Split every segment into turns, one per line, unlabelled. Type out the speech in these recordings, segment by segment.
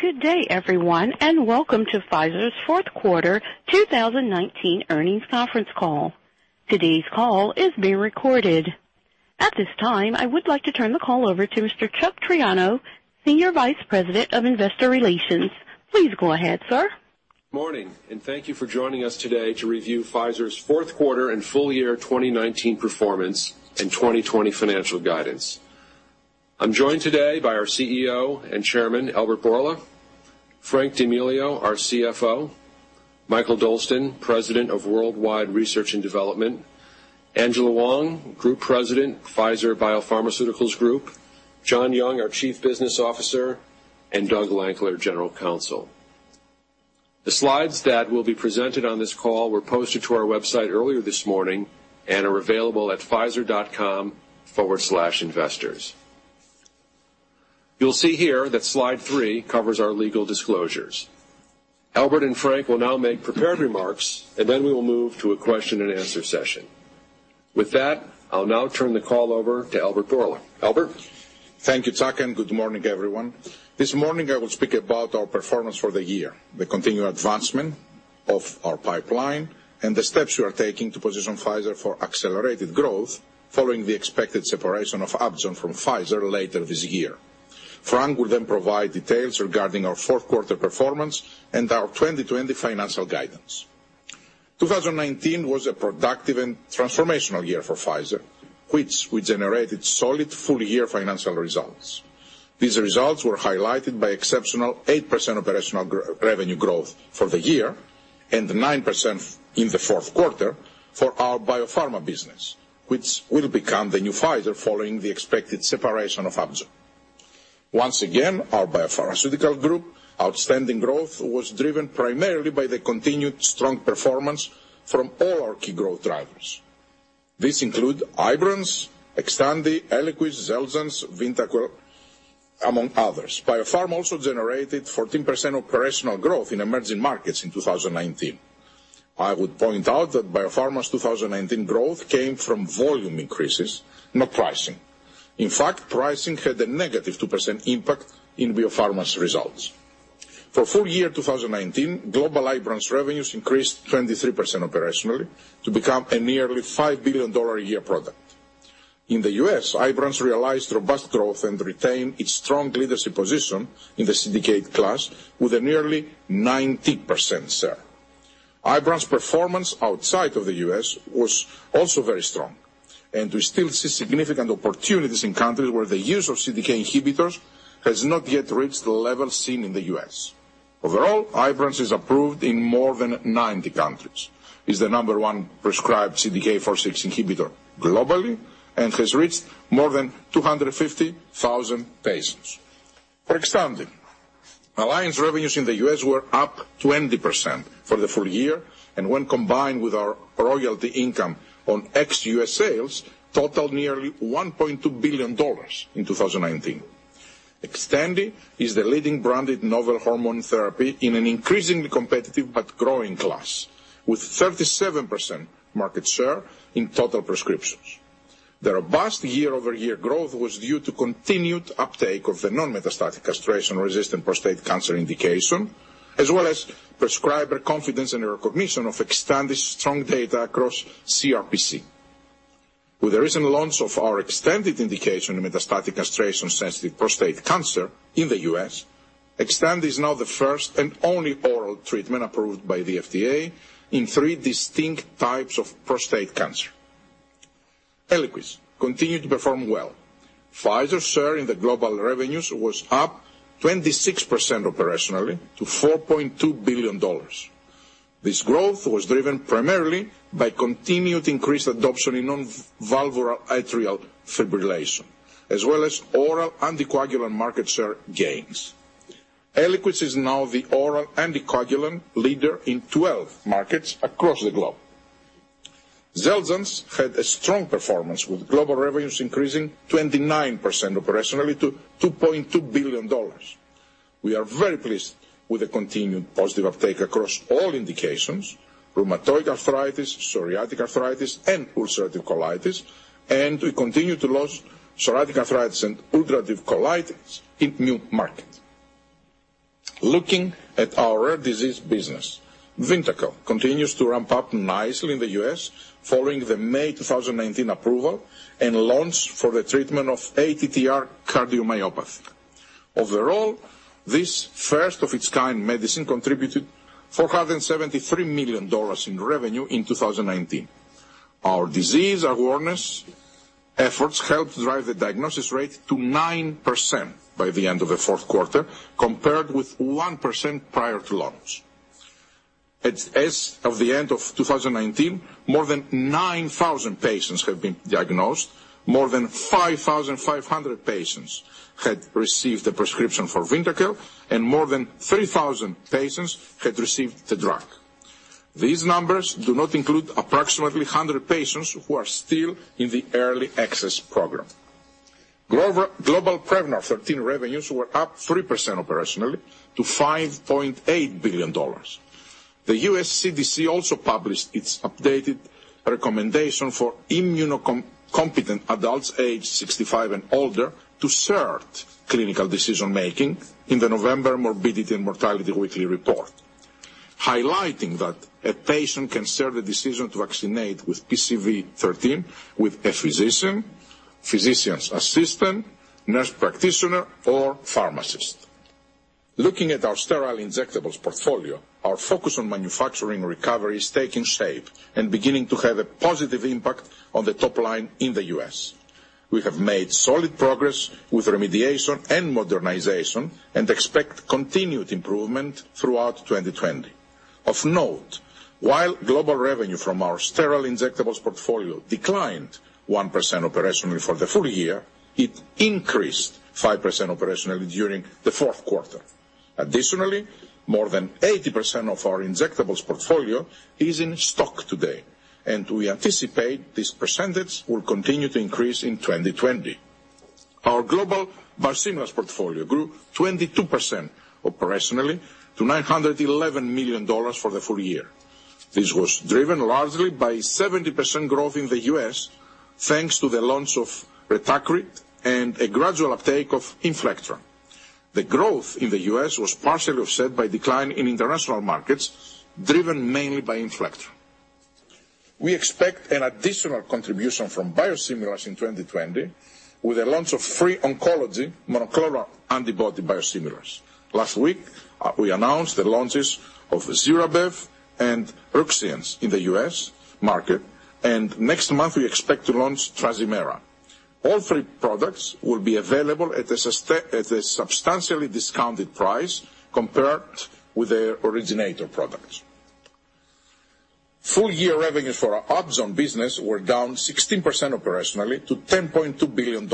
Good day, everyone, welcome to Pfizer's Fourth Quarter 2019 earnings conference call. Today's call is being recorded. At this time, I would like to turn the call over to Mr. Charles Triano, Senior Vice President of Investor Relations. Please go ahead, sir.
Morning, and thank you for joining us today to review Pfizer's fourth quarter and full year 2019 performance and 2020 financial guidance. I'm joined today by our CEO and Chairman, Albert Bourla, Frank D'Amelio, our CFO, Mikael Dolsten, President of Worldwide Research and Development, Angela Hwang, Group President, Pfizer Biopharmaceuticals Group, John Young, our Chief Business Officer, and Doug Lankler, General Counsel. The slides that will be presented on this call were posted to our website earlier this morning and are available at pfizer.com/investors. You'll see here that slide three covers our legal disclosures. Albert and Frank will now make prepared remarks, and then we will move to a question and answer session. With that, I'll now turn the call over to Albert Bourla. Albert?
Thank you, Charles. Good morning, everyone. This morning, I will speak about our performance for the year, the continued advancement of our pipeline, and the steps we are taking to position Pfizer for accelerated growth following the expected separation of Upjohn from Pfizer later this year. Frank will provide details regarding our fourth quarter performance and our 2020 financial guidance. 2019 was a productive and transformational year for Pfizer, which we generated solid full-year financial results. These results were highlighted by exceptional 8% operational revenue growth for the year and 9% in the fourth quarter for our Biopharma business, which will become the new Pfizer following the expected separation of Upjohn. Once again, our Pfizer Biopharmaceuticals Group outstanding growth was driven primarily by the continued strong performance from all our key growth drivers. These include Ibrance, Xtandi, Eliquis, Xeljanz, Vyndaqel, among others. BioPharma also generated 14% operational growth in emerging markets in 2019. I would point out that BioPharma's 2019 growth came from volume increases, not pricing. In fact, pricing had a negative 2% impact in Biopharma's results. For full year 2019, global Ibrance revenues increased 23% operationally to become a nearly $5 billion a year product. In the U.S., Ibrance realized robust growth and retained its strong leadership position in the CDK class with a nearly 90% share. Ibrance performance outside of the U.S. was also very strong, and we still see significant opportunities in countries where the use of CDK inhibitors has not yet reached the level seen in the U.S. Overall, Ibrance is approved in more than 90 countries, is the #1 prescribed CDK4/6 inhibitor globally, and has reached more than 250,000 patients. For Xtandi, alliance revenues in the U.S. were up 20% for the full year, and when combined with our royalty income on ex-U.S. sales, totaled nearly $1.2 billion in 2019. Xtandi is the leading branded novel hormone therapy in an increasingly competitive but growing class, with 37% market share in total prescriptions. The robust year-over-year growth was due to continued uptake of the non-metastatic castration-resistant prostate cancer indication, as well as prescriber confidence and recognition of Xtandi's strong data across CRPC. With the recent launch of our XTANDI indication in metastatic castration-sensitive prostate cancer in the U.S., Xtandi is now the first and only oral treatment approved by the FDA in three distinct types of prostate cancer. Eliquis continued to perform well. Pfizer's share in the global revenues was up 26% operationally to $4.2 billion. This growth was driven primarily by continued increased adoption in non-valvular atrial fibrillation, as well as oral anticoagulant market share gains. Eliquis is now the oral anticoagulant leader in 12 markets across the globe. Xeljanz had a strong performance, with global revenues increasing 29% operationally to $2.2 billion. We are very pleased with the continued positive uptake across all indications, rheumatoid arthritis, psoriatic arthritis, and ulcerative colitis, and we continue to launch psoriatic arthritis and ulcerative colitis in new markets. Looking at our rare disease business, VYNDAQEL continues to ramp up nicely in the U.S. following the May 2019 approval and launch for the treatment of ATTR-cardiomyopathy. Overall, this first-of-its-kind medicine contributed $473 million in revenue in 2019. Our disease awareness efforts helped drive the diagnosis rate to 9% by the end of the fourth quarter, compared with 1% prior to launch. As of the end of 2019, more than 9,000 patients have been diagnosed, more than 5,500 patients had received a prescription for VYNDAQEL, and more than 3,000 patients had received the drug. These numbers do not include approximately 100 patients who are still in the early access program. Global Prevnar 13 revenues were up 3% operationally to $5.8 billion. The U.S. CDC also published its updated recommendation for immunocompetent adults aged 65 and older to Shared Clinical Decision-Making in the November Morbidity and Mortality Weekly Report, highlighting that a patient can share the decision to vaccinate with PCV13 with a physician's assistant, nurse practitioner, or pharmacist. Looking at our Sterile Injectables portfolio, our focus on manufacturing recovery is taking shape and beginning to have a positive impact on the top line in the U.S. We have made solid progress with remediation and modernization and expect continued improvement throughout 2020. Of note, while global revenue from our sterile injectables portfolio declined 1% operationally for the full year, it increased 5% operationally during the fourth quarter. Additionally, more than 80% of our injectables portfolio is in stock today, and we anticipate this percentage will continue to increase in 2020. Our global Biosimilars portfolio grew 22% operationally to $911 million for the full year. This was driven largely by 70% growth in the U.S., thanks to the launch of Retacrit and a gradual uptake of Inflectra. The growth in the U.S. was partially offset by decline in international markets, driven mainly by Inflectra. We expect an additional contribution from biosimilars in 2020 with the launch of three oncology monoclonal antibody biosimilars. Last week, we announced the launches of Zirabev and Ruxience in the U.S. market. Next month we expect to launch Trazimera. All three products will be available at a substantially discounted price compared with their originator products. Full-year revenues for our Upjohn business were down 16% operationally to $10.2 billion.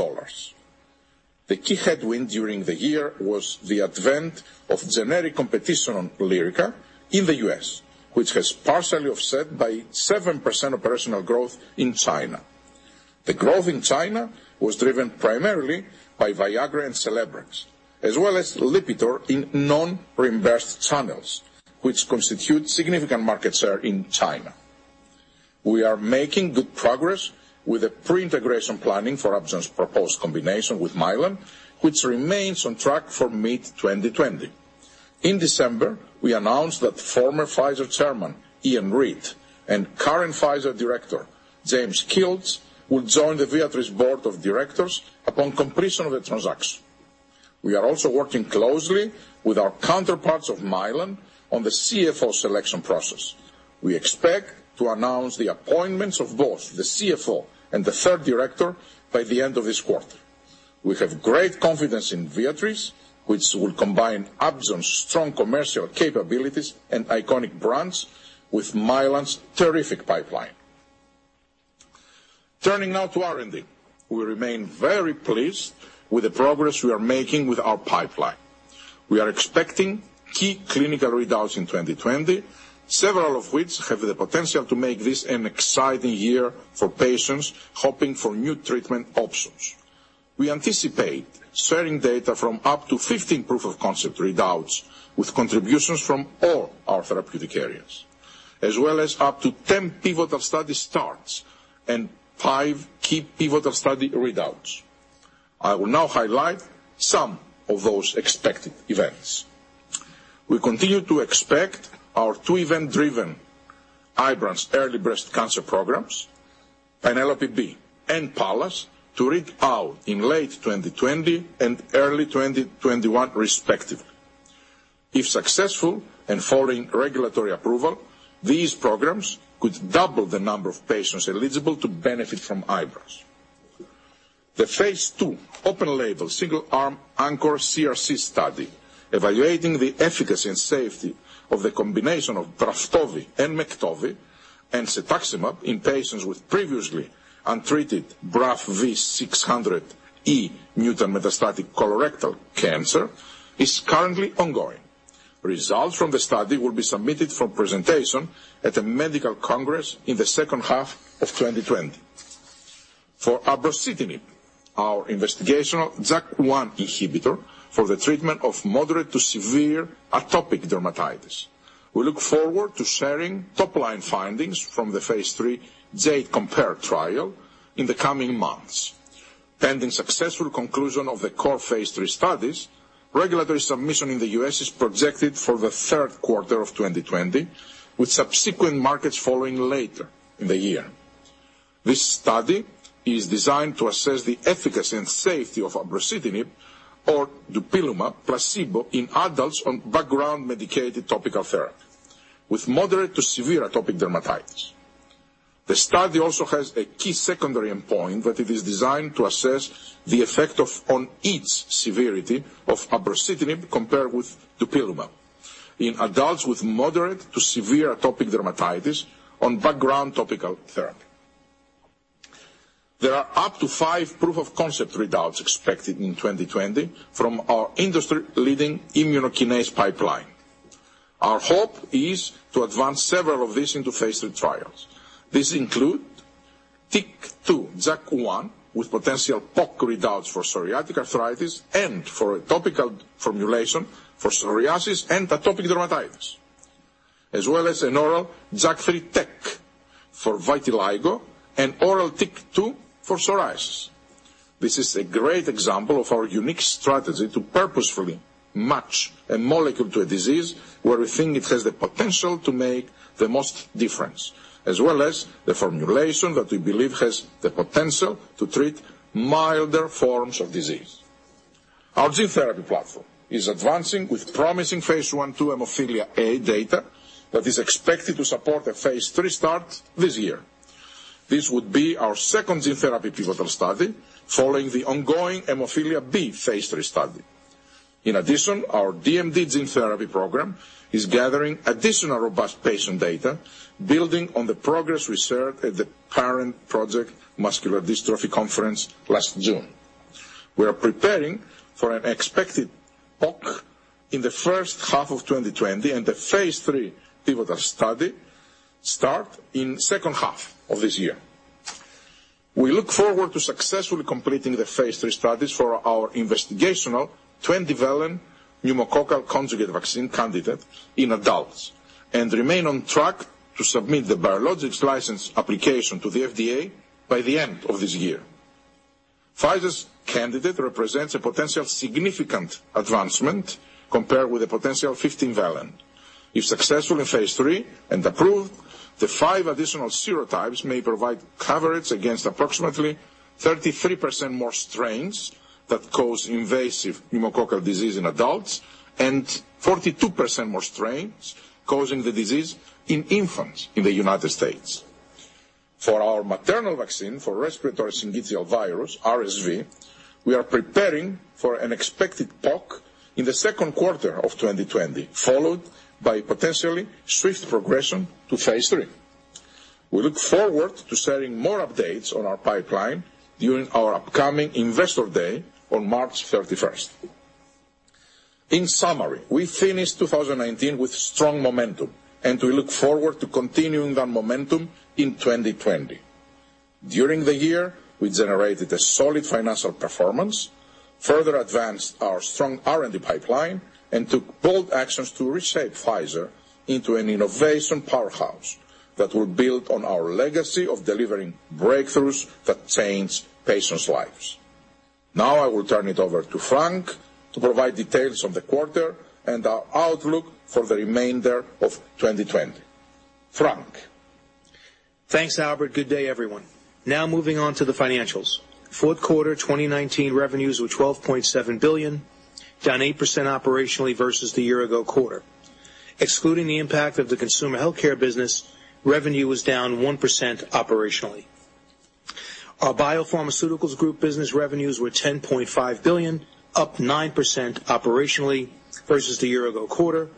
The key headwind during the year was the advent of generic competition on Lyrica in the U.S., which was partially offset by 7% operational growth in China. The growth in China was driven primarily by Viagra and Celebrex, as well as Lipitor in non-reimbursed channels, which constitute significant market share in China. We are making good progress with the pre-integration planning for Upjohn's proposed combination with Mylan, which remains on track for mid-2020. In December, we announced that former Pfizer chairman Ian Read and current Pfizer director James Kilts will join the Viatris Board of Directors upon completion of the transaction. We are also working closely with our counterparts of Mylan on the CFO selection process. We expect to announce the appointments of both the CFO and the third director by the end of this quarter. We have great confidence in Viatris, which will combine Upjohn's strong commercial capabilities and iconic brands with Mylan's terrific pipeline. Turning now to R&D. We remain very pleased with the progress we are making with our pipeline. We are expecting key clinical readouts in 2020, several of which have the potential to make this an exciting year for patients hoping for new treatment options. We anticipate sharing data from up to 15 proof-of-concept readouts, with contributions from all our therapeutic areas, as well as up to 10 pivotal study starts and five key pivotal study readouts. I will now highlight some of those expected events. We continue to expect our two event-driven Ibrance early breast cancer programs, PENELOPE-B and PALLAS, to read out in late 2020 and early 2021, respectively. If successful, and following regulatory approval, these programs could double the number of patients eligible to benefit from Ibrance. The Phase 2 open-label single-arm ANCHOR CRC study evaluating the efficacy and safety of the combination of Braftovi and Mektovi and cetuximab in patients with previously untreated BRAF V600E mutant metastatic colorectal cancer is currently ongoing. Results from the study will be submitted for presentation at a medical congress in the second half of 2020. For abrocitinib, our investigational JAK1 inhibitor for the treatment of moderate to severe atopic dermatitis, we look forward to sharing top-line findings from the Phase 3 JADE Compare trial in the coming months. Pending successful conclusion of the core Phase 3 studies, regulatory submission in the U.S. is projected for the third quarter of 2020, with subsequent markets following later in the year. This study is designed to assess the efficacy and safety of abrocitinib or dupilumab or placebo in adults on background medicated topical therapy with moderate to severe atopic dermatitis. The study also has a key secondary endpoint that is designed to assess the effect on itch severity of abrocitinib compared with dupilumab in adults with moderate to severe atopic dermatitis on background topical therapy. There are up to five proof-of-concept readouts expected in 2020 from our industry-leading immunokinase pipeline. Our hope is to advance several of these into Phase 3 trials. These include TYK2/JAK1 with potential POC readouts for psoriatic arthritis and for a topical formulation for psoriasis and atopic dermatitis. An oral JAK3/TYK for vitiligo and oral TYK2 for psoriasis. This is a great example of our unique strategy to purposefully match a molecule to a disease where we think it has the potential to make the most difference, as well as the formulation that we believe has the potential to treat milder forms of disease. Our gene therapy platform is advancing with promising phase 1/2 hemophilia A data that is expected to support a Phase 3 start this year. This would be our second gene therapy pivotal study following the ongoing hemophilia B Phase 3 study. In addition, our DMD gene therapy program is gathering additional robust patient data, building on the progress we shared at the Parent Project Muscular Dystrophy conference last June. We are preparing for an expected POC in the first half of 2020 and the Phase 3 pivotal study start in second half of this year. We look forward to successfully completing the Phase 3 studies for our investigational 20-valent pneumococcal conjugate vaccine candidate in adults, and remain on track to submit the biologics license application to the FDA by the end of this year. Pfizer's candidate represents a potential significant advancement compared with a potential 15-valent. If successful in Phase 3 and approved, the five additional serotypes may provide coverage against approximately 33% more strains that cause invasive pneumococcal disease in adults, and 42% more strains causing the disease in infants in the U.S. For our maternal vaccine for respiratory syncytial virus, RSV, we are preparing for an expected POC in the second quarter of 2020, followed by potentially swift progression to Phase 3. We look forward to sharing more updates on our pipeline during our upcoming investor day on March 31st. In summary, we finished 2019 with strong momentum, and we look forward to continuing that momentum in 2020. During the year, we generated a solid financial performance, further advanced our strong R&D pipeline, and took bold actions to reshape Pfizer into an innovation powerhouse that will build on our legacy of delivering breakthroughs that change patients' lives. Now I will turn it over to Frank to provide details of the quarter and our outlook for the remainder of 2020. Frank?
Thanks, Albert. Good day, everyone. Now, moving on to the financials. Fourth quarter 2019 revenues were $12.7 billion, down 8% operationally versus the year-ago quarter. Excluding the impact of the Consumer Healthcare business, revenue was down 1% operationally. Our Biopharmaceuticals Group business revenues were $10.5 billion, up 9% operationally versus the year-ago quarter,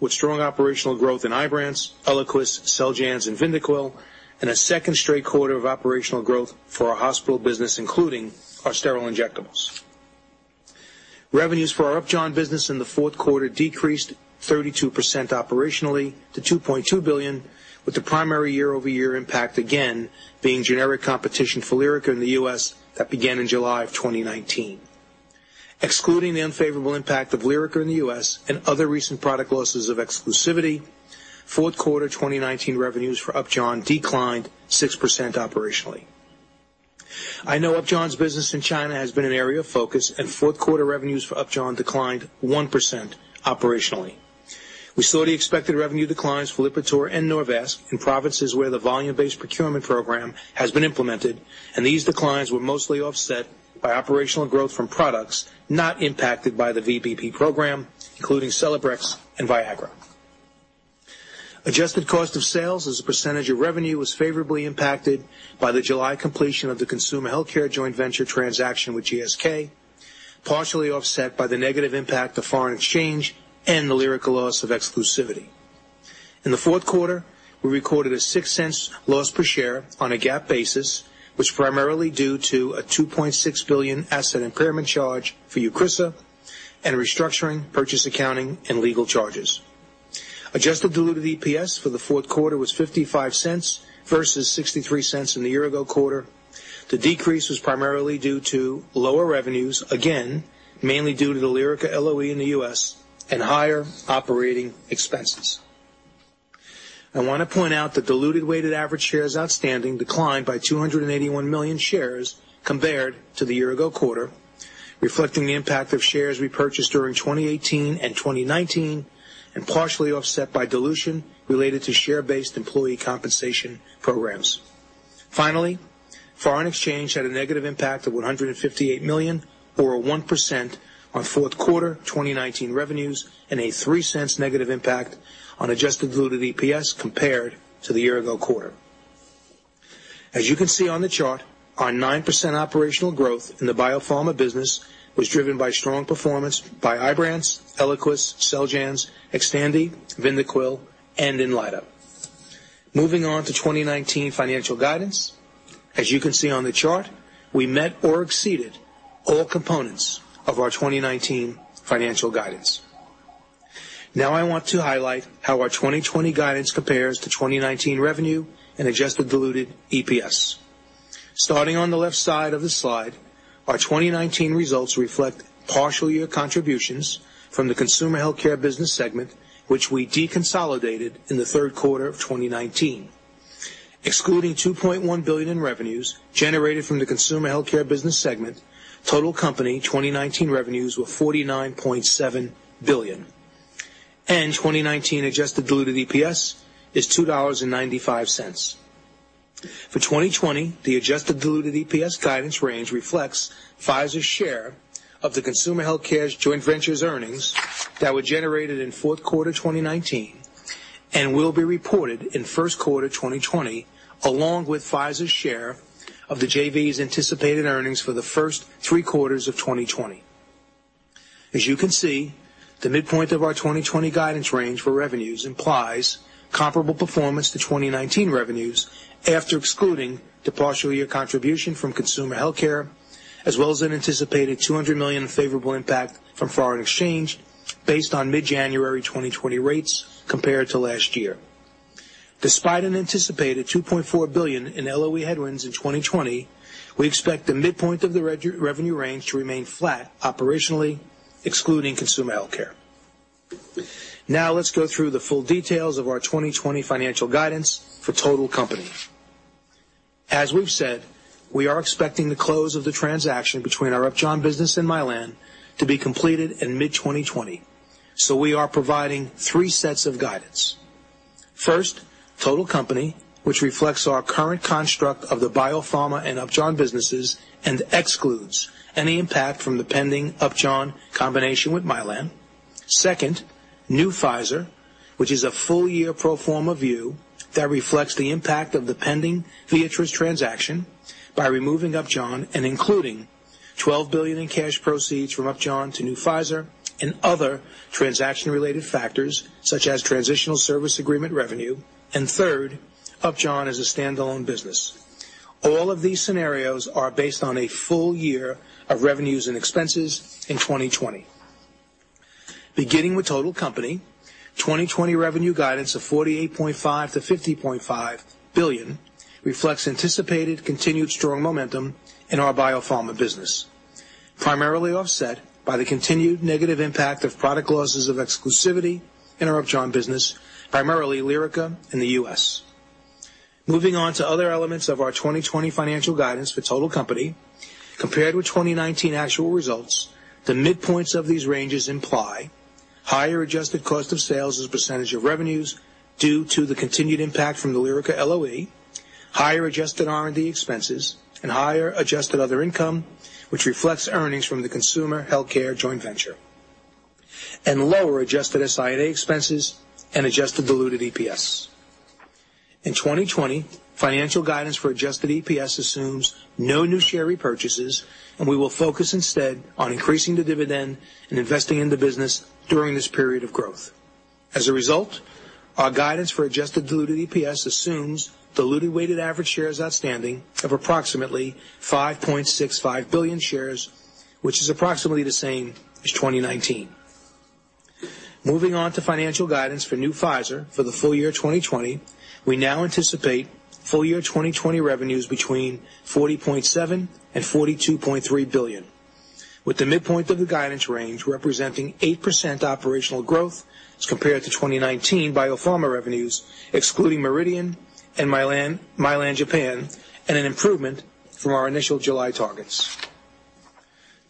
with strong operational growth in Ibrance, Eliquis, Xeljanz, and VYNDAQEL, and a second straight quarter of operational growth for our Hospital business, including our Sterile Injectables. Revenues for our Upjohn business in the fourth quarter decreased 32% operationally to $2.2 billion, with the primary year-over-year impact again being generic competition for Lyrica in the U.S. that began in July of 2019. Excluding the unfavorable impact of Lyrica in the U.S. and other recent product losses of exclusivity, fourth quarter 2019 revenues for Upjohn declined 6% operationally. I know Upjohn's business in China has been an area of focus, and fourth quarter revenues for Upjohn declined 1% operationally. We saw the expected revenue declines for Lipitor and Norvasc in provinces where the volume-based procurement program has been implemented, and these declines were mostly offset by operational growth from products not impacted by the VBP program, including Celebrex and Viagra. Adjusted cost of sales as a percentage of revenue was favorably impacted by the July completion of the Consumer Healthcare joint venture transaction with GSK, partially offset by the negative impact of foreign exchange and the Lyrica loss of exclusivity. In the fourth quarter, we recorded a $0.06 loss per share on a GAAP basis, which was primarily due to a $2.6 billion asset impairment charge for Eucrisa and restructuring, purchase accounting, and legal charges. Adjusted diluted EPS for the fourth quarter was $0.55 versus $0.63 in the year-ago quarter. The decrease was primarily due to lower revenues, again, mainly due to the Lyrica LOE in the U.S. and higher operating expenses. I want to point out that diluted weighted average shares outstanding declined by 281 million shares compared to the year-ago quarter, reflecting the impact of shares repurchased during 2018 and 2019, and partially offset by dilution related to share-based employee compensation programs. Finally, foreign exchange had a negative impact of $158 million or a 1% on fourth quarter 2019 revenues and a $0.03 negative impact on adjusted diluted EPS compared to the year-ago quarter. As you can see on the chart, our 9% operational growth in the BioPharma business was driven by strong performance by Ibrance, Eliquis, Xeljanz, Xtandi, VYNDAQEL, and Inlyta. Moving on to 2019 financial guidance. As you can see on the chart, we met or exceeded all components of our 2019 financial guidance. I want to highlight how our 2020 guidance compares to 2019 revenue and adjusted diluted EPS. Starting on the left side of the slide, our 2019 results reflect partial year contributions from the Consumer Healthcare business segment, which we deconsolidated in the third quarter of 2019. Excluding $2.1 billion in revenues generated from the Consumer Healthcare business segment, total company 2019 revenues were $49.7 billion, and 2019 adjusted diluted EPS is $2.95. For 2020, the adjusted diluted EPS guidance range reflects Pfizer's share of the Consumer Healthcare's joint ventures earnings that were generated in fourth quarter 2019 and will be reported in first quarter 2020, along with Pfizer's share of the JV's anticipated earnings for the first three quarters of 2020. As you can see, the midpoint of our 2020 guidance range for revenues implies comparable performance to 2019 revenues after excluding the partial year contribution from consumer healthcare, as well as an anticipated $200 million in favorable impact from foreign exchange based on mid-January 2020 rates compared to last year. Despite an anticipated $2.4 billion in LOE headwinds in 2020, we expect the midpoint of the revenue range to remain flat operationally, excluding Consumer Healthcare. Now, let's go through the full details of our 2020 financial guidance for total company. As we've said, we are expecting the close of the transaction between our Upjohn business and Mylan to be completed in mid-2020. So we are providing three sets of guidance. First, total company, which reflects our current construct of the BioPharma and Upjohn businesses and excludes any impact from the pending Upjohn combination with Mylan. Second, new Pfizer, which is a full-year pro forma view that reflects the impact of the pending Viatris transaction by removing Upjohn and including $12 billion in cash proceeds from Upjohn to new Pfizer and other transaction-related factors such as transitional service agreement revenue. Third, Upjohn as a standalone business. All of these scenarios are based on a full year of revenues and expenses in 2020. Beginning with total company, 2020 revenue guidance of $48.5 billion-$50.5 billion reflects anticipated continued strong momentum in our BioPharma business, primarily offset by the continued negative impact of product losses of exclusivity in our Upjohn business, primarily Lyrica in the U.S. Moving on to other elements of our 2020 financial guidance for total company, compared with 2019 actual results, the midpoints of these ranges imply higher adjusted cost of sales as a percentage of revenues due to the continued impact from the Lyrica LOE, higher adjusted R&D expenses, and higher adjusted other income, which reflects earnings from the consumer healthcare joint venture, and lower adjusted SI&A expenses and adjusted diluted EPS. In 2020, financial guidance for adjusted EPS assumes no new share repurchases. We will focus instead on increasing the dividend and investing in the business during this period of growth. As a result, our guidance for adjusted diluted EPS assumes diluted weighted average shares outstanding of approximately 5.65 billion shares, which is approximately the same as 2019. Moving on to financial guidance for new Pfizer for the full year 2020, we now anticipate full-year 2020 revenues between $40.7 billion and $42.3 billion, with the midpoint of the guidance range representing 8% operational growth as compared to 2019 BioPharma revenues, excluding Meridian and Mylan Japan, and an improvement from our initial July targets.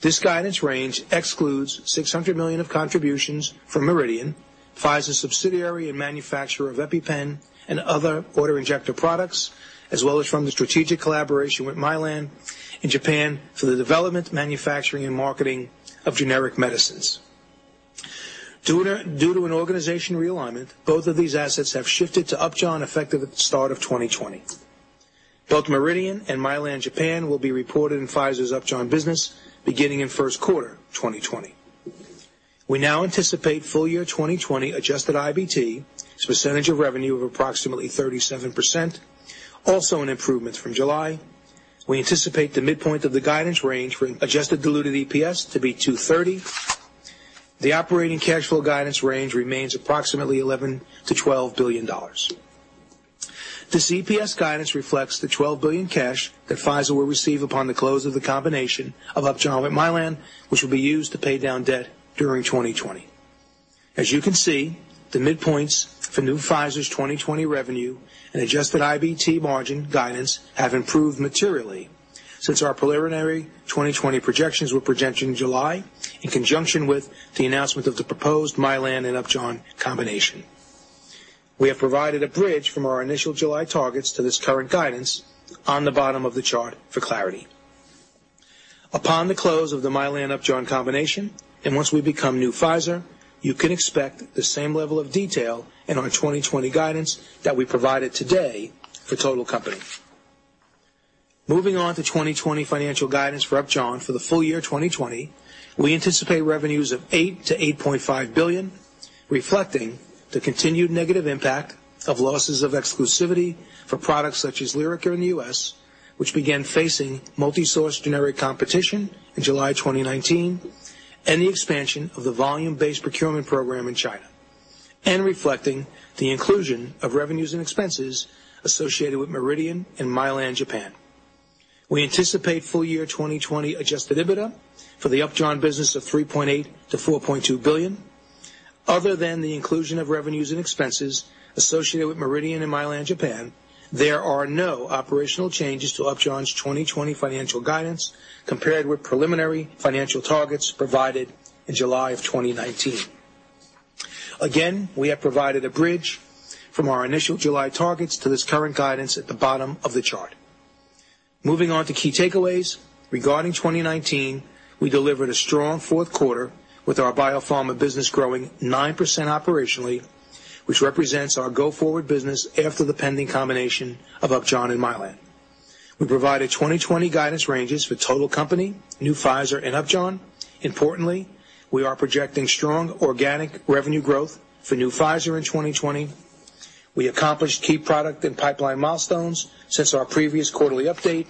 This guidance range excludes $600 million of contributions from Meridian, Pfizer's subsidiary and manufacturer of EpiPen and other auto-injector products, as well as from the strategic collaboration with Mylan in Japan for the development, manufacturing, and marketing of generic medicines. Due to an organizational realignment, both of these assets have shifted to Upjohn effective at the start of 2020. Both Meridian and Mylan Japan will be reported in Pfizer's Upjohn business beginning in first quarter 2020. We now anticipate full-year 2020 adjusted IBT as a percentage of revenue of approximately 37%, also an improvement from July. We anticipate the midpoint of the guidance range for an adjusted diluted EPS to be $2.30. The operating cash flow guidance range remains approximately $11 billion-$12 billion. This EPS guidance reflects the $12 billion cash that Pfizer will receive upon the close of the combination of Upjohn with Mylan, which will be used to pay down debt during 2020. As you can see, the midpoints for new Pfizer's 2020 revenue and adjusted IBT margin guidance have improved materially since our preliminary 2020 projections were projected in July in conjunction with the announcement of the proposed Mylan and Upjohn combination. We have provided a bridge from our initial July targets to this current guidance on the bottom of the chart for clarity. Upon the close of the Mylan and Upjohn combination, and once we become new Pfizer, you can expect the same level of detail in our 2020 guidance that we provided today for total company. Moving on to 2020 financial guidance for Upjohn for the full year 2020, we anticipate revenues of $8 billion-$8.5 billion, reflecting the continued negative impact of losses of exclusivity for products such as Lyrica in the U.S., which began facing multi-source generic competition in July 2019, and the expansion of the volume-based procurement program in China, reflecting the inclusion of revenues and expenses associated with Meridian and Mylan Japan. We anticipate full year 2020 adjusted EBITDA for the Upjohn business of $3.8 billion-$4.2 billion. Other than the inclusion of revenues and expenses associated with Meridian and Mylan Japan, there are no operational changes to Upjohn's 2020 financial guidance compared with preliminary financial targets provided in July 2019. Again, we have provided a bridge from our initial July targets to this current guidance at the bottom of the chart. Moving on to key takeaways. Regarding 2019, we delivered a strong fourth quarter with our BioPharma business growing 9% operationally, which represents our go-forward business after the pending combination of Upjohn and Mylan. We provided 2020 guidance ranges for total company, new Pfizer and Upjohn. Importantly, we are projecting strong organic revenue growth for new Pfizer in 2020. We accomplished key product and pipeline milestones since our previous quarterly update,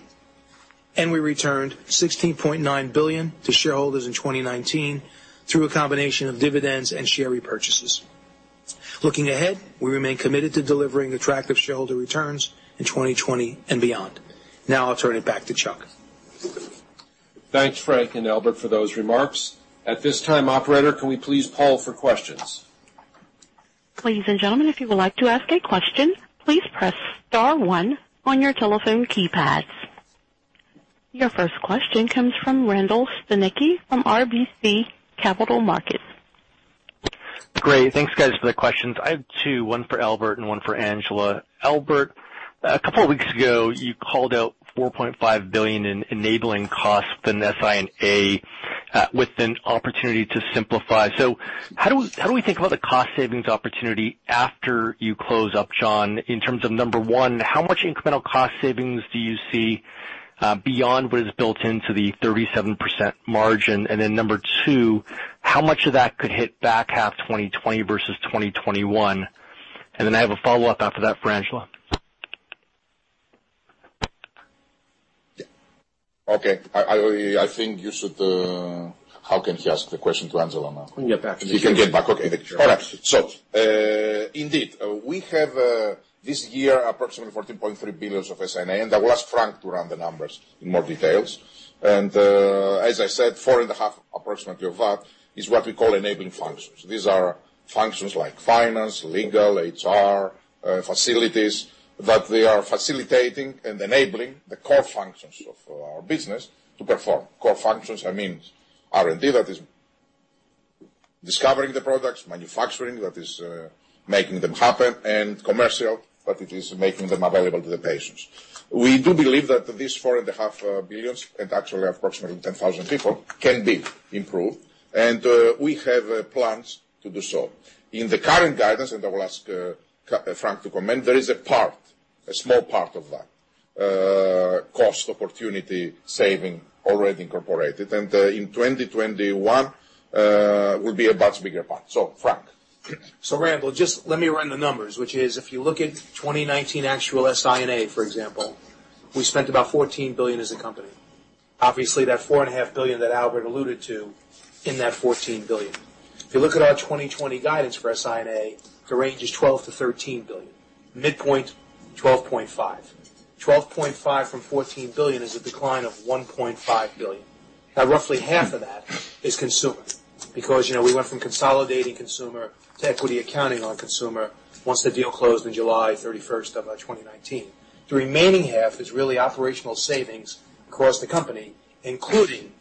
and we returned $16.9 billion to shareholders in 2019 through a combination of dividends and share repurchases. Looking ahead, we remain committed to delivering attractive shareholder returns in 2020 and beyond. Now I'll turn it back to Charles.
Thanks, Frank and Albert, for those remarks. At this time, operator, can we please poll for questions?
Ladies and gentlemen, if you would like to ask a question, please press star one on your telephone keypads. Your first question comes from Randall Stanicky from RBC Capital Markets.
Great. Thanks, guys, for the questions. I have two, one for Albert and one for Angela. Albert, a couple of weeks ago, you called out $4.5 billion in enabling cost in SI&A, with an opportunity to simplify. How do we think about the cost savings opportunity after you close Upjohn in terms of, number one, how much incremental cost savings do you see, beyond what is built into the 37% margin? Then number two, how much of that could hit back half 2020 versus 2021? I have a follow-up after that for Angela.
Okay. I think you should - how can he ask the question to Angela now?
When you get back.
He can get back. Okay. All right. Indeed, we have, this year, approximately $14.3 billion of SI&A, and I will ask Frank to run the numbers in more detail. As I said, $4.5 billion approximately of that is what we call enabling functions. These are functions like finance, legal, HR, facilities, they are facilitating and enabling the core functions of our business to perform. Core functions, I mean R&D that is discovering the products, manufacturing that is making them happen, and commercial that is making them available to the patients. We do believe that these $4.5billion, actually approximately 10,000 people, can be improved, and we have plans to do so. In the current guidance, I will ask Frank to comment, there is a small part of that cost opportunity saving already incorporated. In 2021, will be a much bigger part. So Frank?
Randall, just let me run the numbers, which is if you look at 2019 actual SI&A, for example, we spent about $14 billion as a company. Obviously, that $4.5 billion that Albert alluded to in that $14 billion. If you look at our 2020 guidance for SI&A, the range is $12 billion-$13 billion, midpoint $12.5 billion. $12.5 billion from $14 billion is a decline of $1.5 billion. Roughly half of that is consumer, because we went from consolidating consumer to equity accounting on consumer once the deal closed on July 31st of 2019. The remaining half is really operational savings across the company, including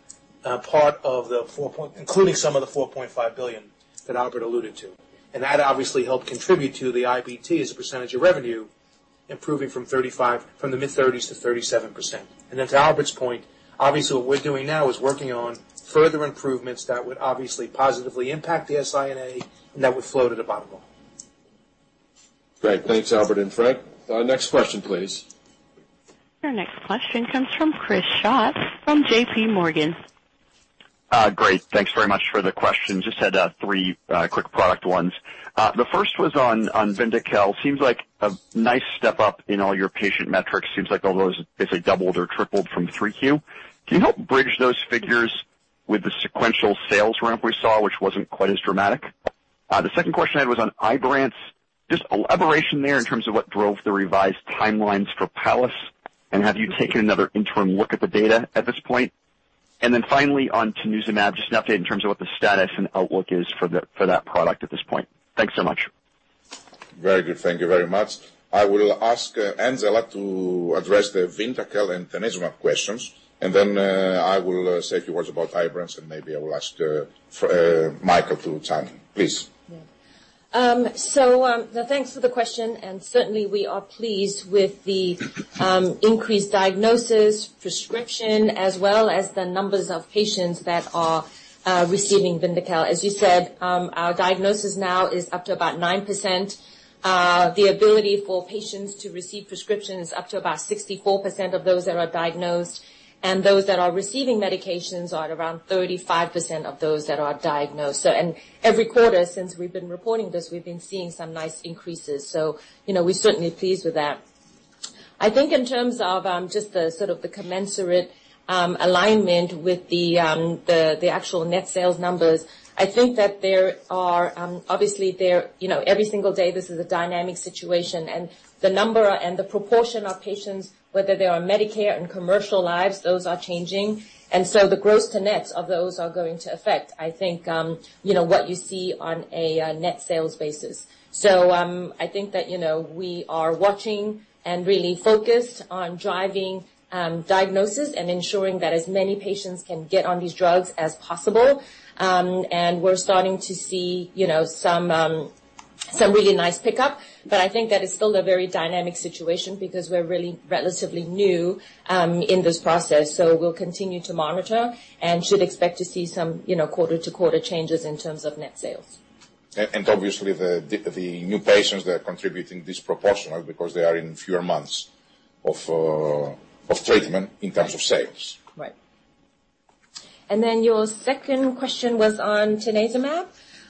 some of the $4.5 billion that Albert alluded to. That obviously helped contribute to the IBT as a percentage of revenue improving from the mid-30s to 37%. Then to Albert's point, obviously, what we're doing now is working on further improvements that would obviously positively impact the SI&A and that would flow to the bottom line.
Great. Thanks, Albert and Frank. Next question, please.
Your next question comes from Chris Schott from J.P. Morgan.
Great. Thanks very much for the question. Just had three quick product ones. The first was on VYNDAQEL, seems like a nice step up in all your patient metrics, seems like all those basically doubled or tripled from 3Q. Can you help bridge those figures with the sequential sales ramp we saw, which wasn't quite as dramatic? The second question I had was on Ibrance. Just elaboration there in terms of what drove the revised timelines for PALLAS, and have you taken another interim look at the data at this point? Then, finally on tanezumab, just an update in terms of what the status and outlook is for that product at this point. Thanks so much.
Very good. Thank you very much. I will ask Angela to address the VYNDAQEL and tanezumab questions, and then I will say a few words about Ibrance, and maybe I will ask Mikael to chime in. Please.
Yeah. Thanks for the question, and certainly, we are pleased with the increased diagnosis, prescription, as well as the numbers of patients that are receiving VYNDAQEL. As you said, our diagnosis now is up to about 9%. The ability for patients to receive prescription is up to about 64% of those that are diagnosed, and those that are receiving medications are at around 35% of those that are diagnosed. Every quarter since we've been reporting this, we've been seeing some nice increases, we're certainly pleased with that. I think in terms of just the sort of the commensurate alignment with the actual net sales numbers, I think that obviously every single day, this is a dynamic situation, and the number and the proportion of patients, whether they are Medicare and commercial lives, those are changing. The gross to nets of those are going to affect, I think, what you see on a net sales basis. I think that we are watching and really focused on driving diagnosis and ensuring that as many patients can get on these drugs as possible. We're starting to see some really nice pickup. I think that it's still a very dynamic situation because we're really relatively new in this process. We'll continue to monitor and should expect to see some quarter-to-quarter changes in terms of net sales.
Obviously the new patients that are contributing disproportional because they are in fewer months of treatment in terms of sales.
Right. Your second question was on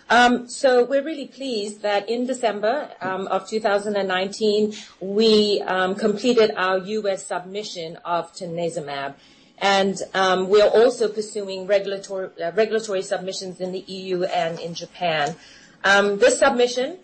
tanezumab. We're really pleased that in December of 2019, we completed our U.S. submission of tanezumab. We are also pursuing regulatory submissions in the EU and in Japan. This submission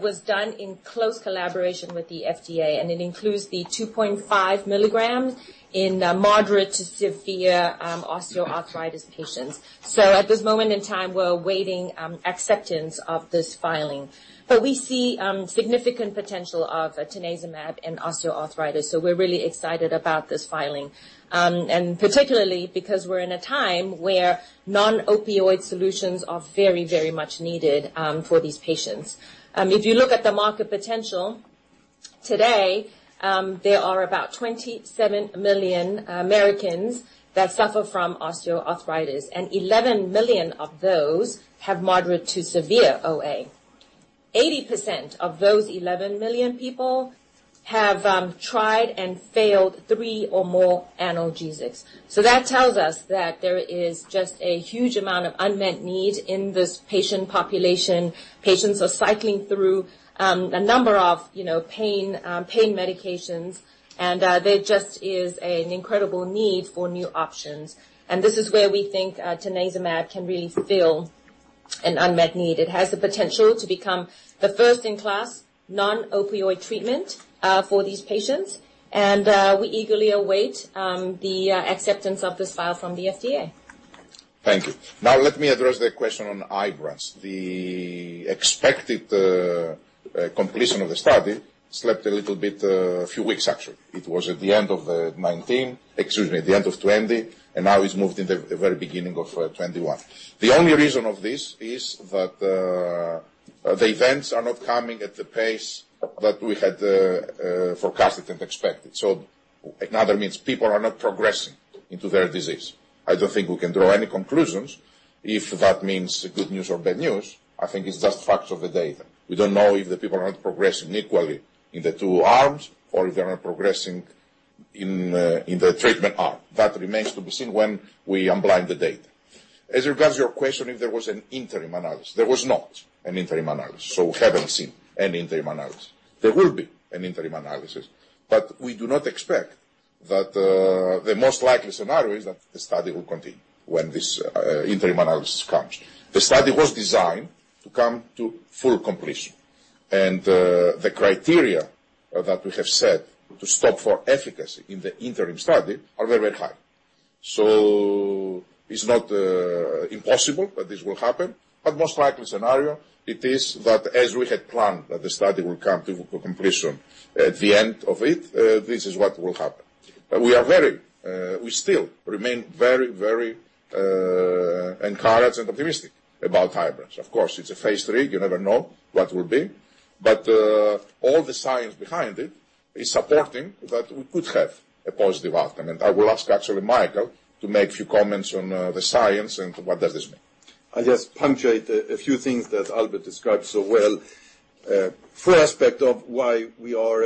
was done in close collaboration with the FDA, and it includes the 2.5 milligrams in moderate to severe osteoarthritis patients. At this moment in time, we're awaiting acceptance of this filing. We see significant potential of tanezumab in osteoarthritis, so we're really excited about this filing. Particularly because we're in a time where non-opioid solutions are very much needed for these patients. If you look at the market potential, today, there are about 27 million Americans that suffer from osteoarthritis, and 11 million of those have moderate to severe OA. 80% of those 11 million people have tried and failed three or more analgesics. That tells us that there is just a huge amount of unmet need in this patient population. Patients are cycling through a number of pain medications, and there just is an incredible need for new options. This is where we think tanezumab can really fill an unmet need. It has the potential to become the first-in-class non-opioid treatment for these patients, and we eagerly await the acceptance of this file from the FDA.
Thank you. Now let me address the question on Ibrance. The expected completion of the study slipped a little bit, a few weeks actually. It was at the end of 2019, excuse me, the end of 2020, and now it's moved in the very beginning of 2021. The only reason of this is that the events are not coming at the pace that we had forecasted and expected. In other means, people are not progressing into their disease. I don't think we can draw any conclusions if that means good news or bad news. I think it's just facts of the data. We don't know if the people are not progressing equally in the two arms or if they are not progressing in the treatment arm. That remains to be seen when we unblind the data. As regards your question, if there was an interim analysis. There was not an interim analysis. We haven't seen any interim analysis. There will be an interim analysis. We do not expect that the most likely scenario is that the study will continue when this interim analysis comes. The study was designed to come to full completion, and the criteria that we have set to stop for efficacy in the interim study are very high. It's not impossible that this will happen, but most likely scenario it is that as we had planned that the study will come to completion at the end of it, this is what will happen. We still remain very encouraged and optimistic about Ibrance. Of course, it's a Phase 3. You never know what will be, but all the science behind it is supporting that we could have a positive outcome. I will ask actually Mikael to make a few comments on the science and what does this mean.
I just punctuate a few things that Albert described so well. First aspect of why we are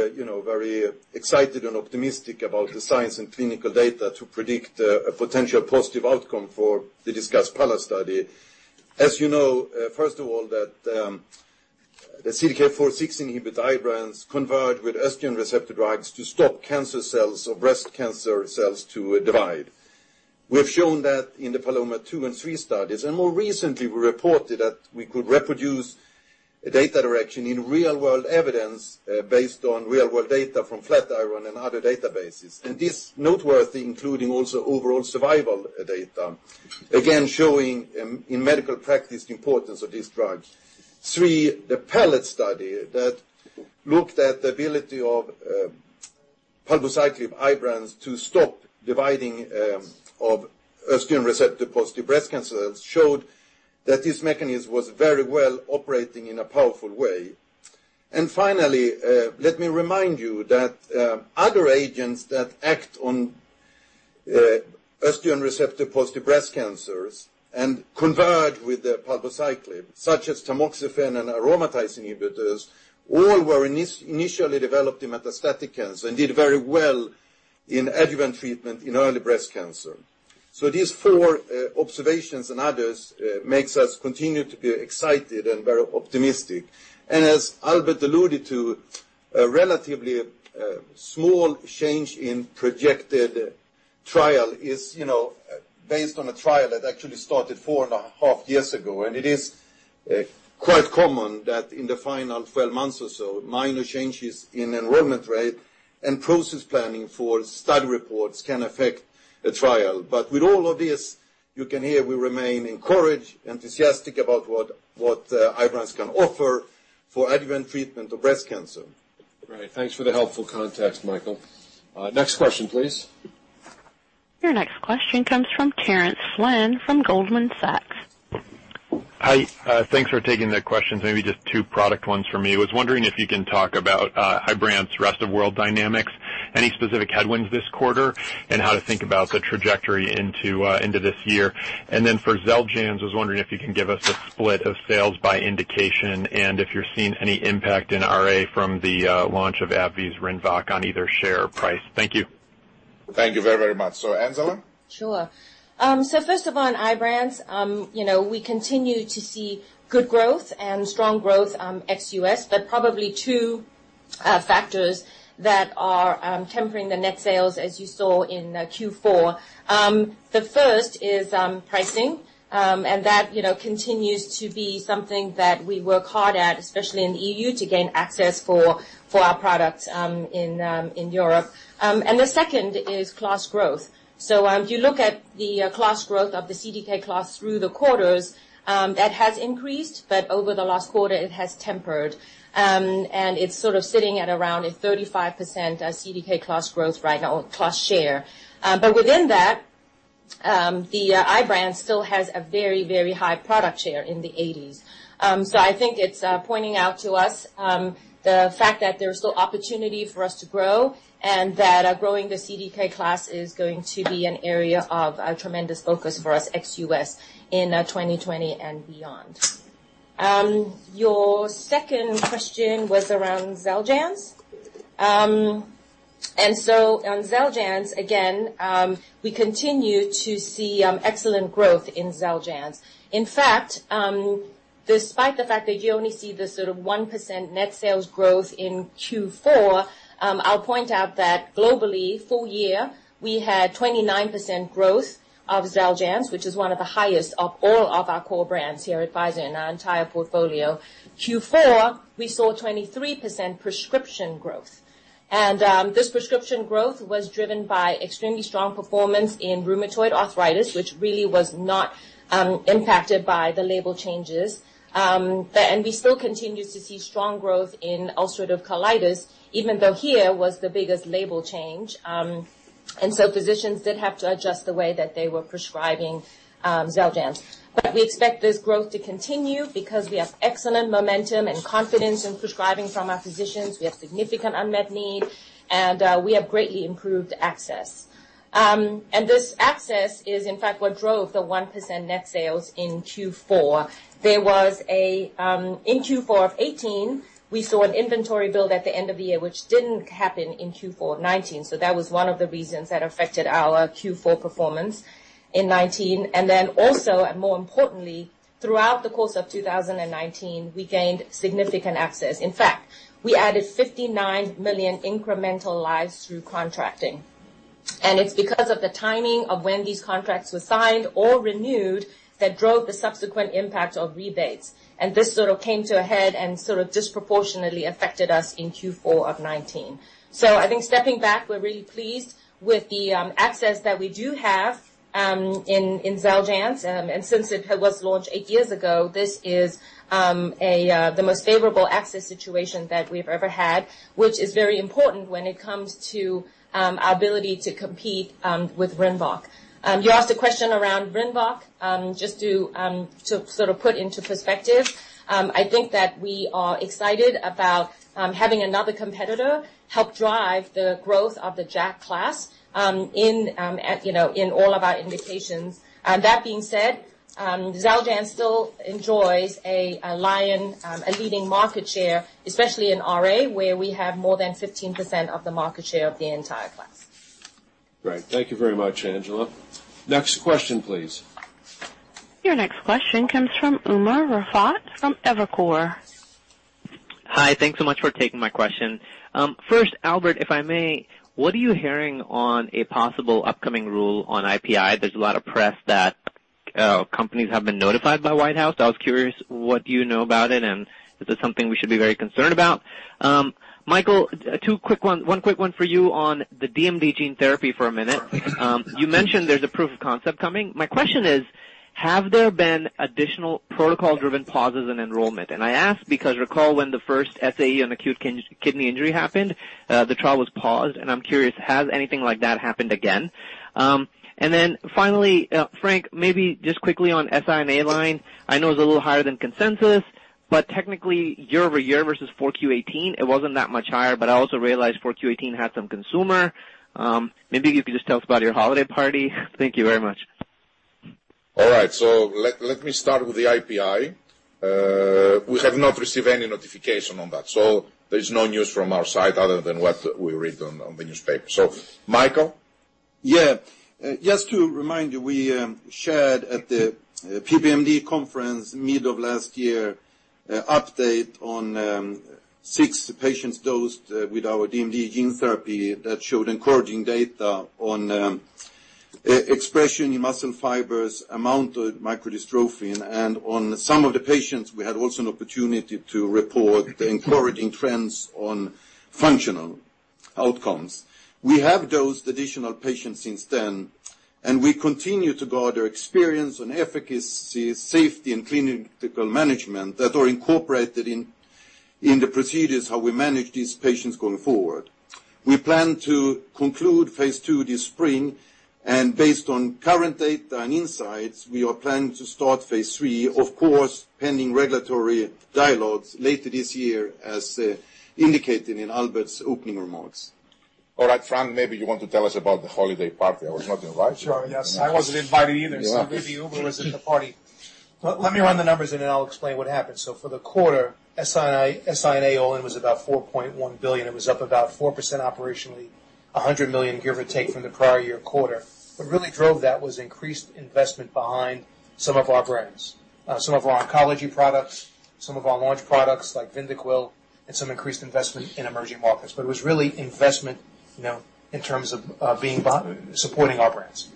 very excited and optimistic about the science and clinical data to predict a potential positive outcome for this PALLAS study. As you know, first of all, that the CDK4/6 inhibitor Ibrance converge with estrogen receptor drugs to stop cancer cells or breast cancer cells to divide. We have shown that in the PALOMA-2 and 3 studies, and more recently we reported that we could reproduce data direction in real-world evidence based on real-world data from Flatiron and other databases. This noteworthy including also overall survival data, again, showing in medical practice the importance of these drugs. Three, the PALLET study that looked at the ability of palbociclib Ibrance to stop dividing of estrogen receptor-positive breast cancer cells showed that this mechanism was very well operating in a powerful way. Finally, let me remind you that other agents that act on estrogen receptor-positive breast cancers and converge with the palbociclib, such as tamoxifen and aromatase inhibitors, all were initially developed in metastatic cancer and did very well in adjuvant treatment in early breast cancer. These four observations and others make us continue to be excited and very optimistic. As Albert alluded to, a relatively small change in projected trial is based on a trial that actually started 4.5 years ago. It is quite common that in the final 12 months or so, minor changes in enrollment rate and process planning for study reports can affect a trial. With all of this, you can hear we remain encouraged, enthusiastic about what IBRANCE can offer for adjuvant treatment of breast cancer.
Great. Thanks for the helpful context, Mikael. Next question, please.
Your next question comes from Terence Flynn from Goldman Sachs.
Hi. Thanks for taking the questions. Maybe just two product ones for me. I was wondering if you can talk about Ibrance rest-of-world dynamics, any specific headwinds this quarter, and how to think about the trajectory into this year. For Xeljanz, I was wondering if you can give us a split of sales by indication and if you're seeing any impact in RA from the launch of AbbVie's RINVOQ on either share price. Thank you.
Thank you very much. Angela?
Sure. First of all, on Ibrance we continue to see good growth and strong growth ex U.S., but probably two factors that are tempering the net sales as you saw in Q4. The first is pricing, and that continues to be something that we work hard at, especially in the EU, to gain access for our products in Europe. The second is class growth. If you look at the class growth of the CDK class through the quarters, that has increased, but over the last quarter it has tempered. It's sort of sitting at around a 35% CDK class growth right now, class share. Within that, the Ibrance still has a very, very high product share in the 80s. I think it's pointing out to us the fact that there's still opportunity for us to grow and that growing the CDK class is going to be an area of tremendous focus for us ex U.S. in 2020 and beyond. Your second question was around Xeljanz. On Xeljanz, again, we continue to see excellent growth in Xeljanz. In fact, despite the fact that you only see the sort of 1% net sales growth in Q4, I'll point out that globally, full year, we had 29% growth of Xeljanz, which is one of the highest of all of our core brands here at Pfizer in our entire portfolio. Q4, we saw 23% prescription growth. This prescription growth was driven by extremely strong performance in rheumatoid arthritis, which really was not impacted by the label changes. We still continue to see strong growth in ulcerative colitis, even though here was the biggest label change. Physicians did have to adjust the way that they were prescribing Xeljanz. We expect this growth to continue because we have excellent momentum and confidence in prescribing from our physicians. We have significant unmet need, and we have greatly improved access. This access is in fact what drove the 1% net sales in Q4. In Q4 of 2018, we saw an inventory build at the end of the year, which didn't happen in Q4 2019, so that was one of the reasons that affected our Q4 performance in 2019. Also, and more importantly, throughout the course of 2019, we gained significant access. In fact, we added 59 million incremental lives through contracting. It's because of the timing of when these contracts were signed or renewed that drove the subsequent impact of rebates. This sort of came to a head and sort of disproportionately affected us in Q4 of 2019. I think stepping back, we're really pleased with the access that we do have in Xeljanz. Since it was launched eight years ago, this is the most favorable access situation that we've ever had, which is very important when it comes to our ability to compete with RINVOQ. You asked a question around RINVOQ. Just to sort of put into perspective, I think that we are excited about having another competitor help drive the growth of the JAK class in all of our indications. That being said, Xeljanz still enjoys a leading market share, especially in RA, where we have more than 15% of the market share of the entire class.
Great. Thank you very much, Angela. Next question, please.
Your next question comes from Umer Raffat from Evercore.
Hi. Thanks so much for taking my question. First, Albert, if I may, what are you hearing on a possible upcoming rule on IPI? There's a lot of press that companies have been notified by White House. I was curious what you know about it and is this something we should be very concerned about? Mikael, one quick one for you on the DMD gene therapy for a minute. You mentioned there's a proof of concept coming. My question is, have there been additional protocol-driven pauses in enrollment? I ask because recall when the first SAE on acute kidney injury happened, the trial was paused, and I'm curious, has anything like that happened again? Finally, Frank, maybe just quickly on SI&A line. I know it's a little higher than consensus, Technically year-over-year versus 4Q 2018, it wasn't that much higher. I also realize 4Q 2018 had some consumer. Maybe you could just tell us about your holiday party. Thank you very much.
All right. Let me start with the IPI. We have not received any notification on that. There is no news from our side other than what we read on the newspaper. Mikael?
Just to remind you, we shared at the PPMD conference mid of last year, an update on six patients dosed with our DMD gene therapy that showed encouraging data on expression in muscle fibers, amount of microdystrophin, and on some of the patients, we had also an opportunity to report encouraging trends on functional outcomes. We have dosed additional patients since then, and we continue to gather experience on efficacy, safety, and clinical management that are incorporated in the procedures, how we manage these patients going forward. We plan to conclude Phase 2 this spring, and based on current data and insights, we are planning to start Phase 3, of course, pending regulatory dialogues later this year, as indicated in Albert's opening remarks.
All right, Frank, maybe you want to tell us about the holiday party. I was not invited.
Sure, yes. I wasn't invited either. Maybe you Umer was at the party. Let me run the numbers, and then I'll explain what happened. For the quarter, SI&A all-in was about $4.1 billion. It was up about 4% operationally, $100 million give or take from the prior year quarter. What really drove that was increased investment behind some of our brands. Some of our oncology products, some of our launch products like VYNDAQEL, and some increased investment in emerging markets. It was really investment in terms of supporting our brands.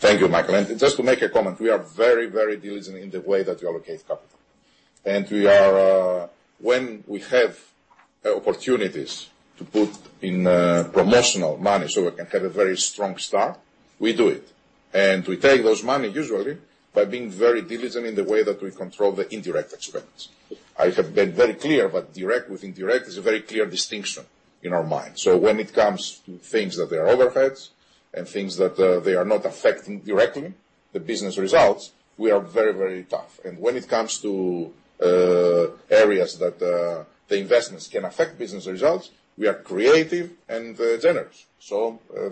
Thank you, Mikael. Just to make a comment, we are very diligent in the way that we allocate capital. When we have opportunities to put in promotional money so we can have a very strong start, we do it. We take those money usually by being very diligent in the way that we control the indirect expense. I have been very clear about direct with indirect is a very clear distinction in our minds. When it comes to things that they are overheads and things that they are not affecting directly the business results, we are very tough. When it comes to areas that the investments can affect business results, we are creative and generous.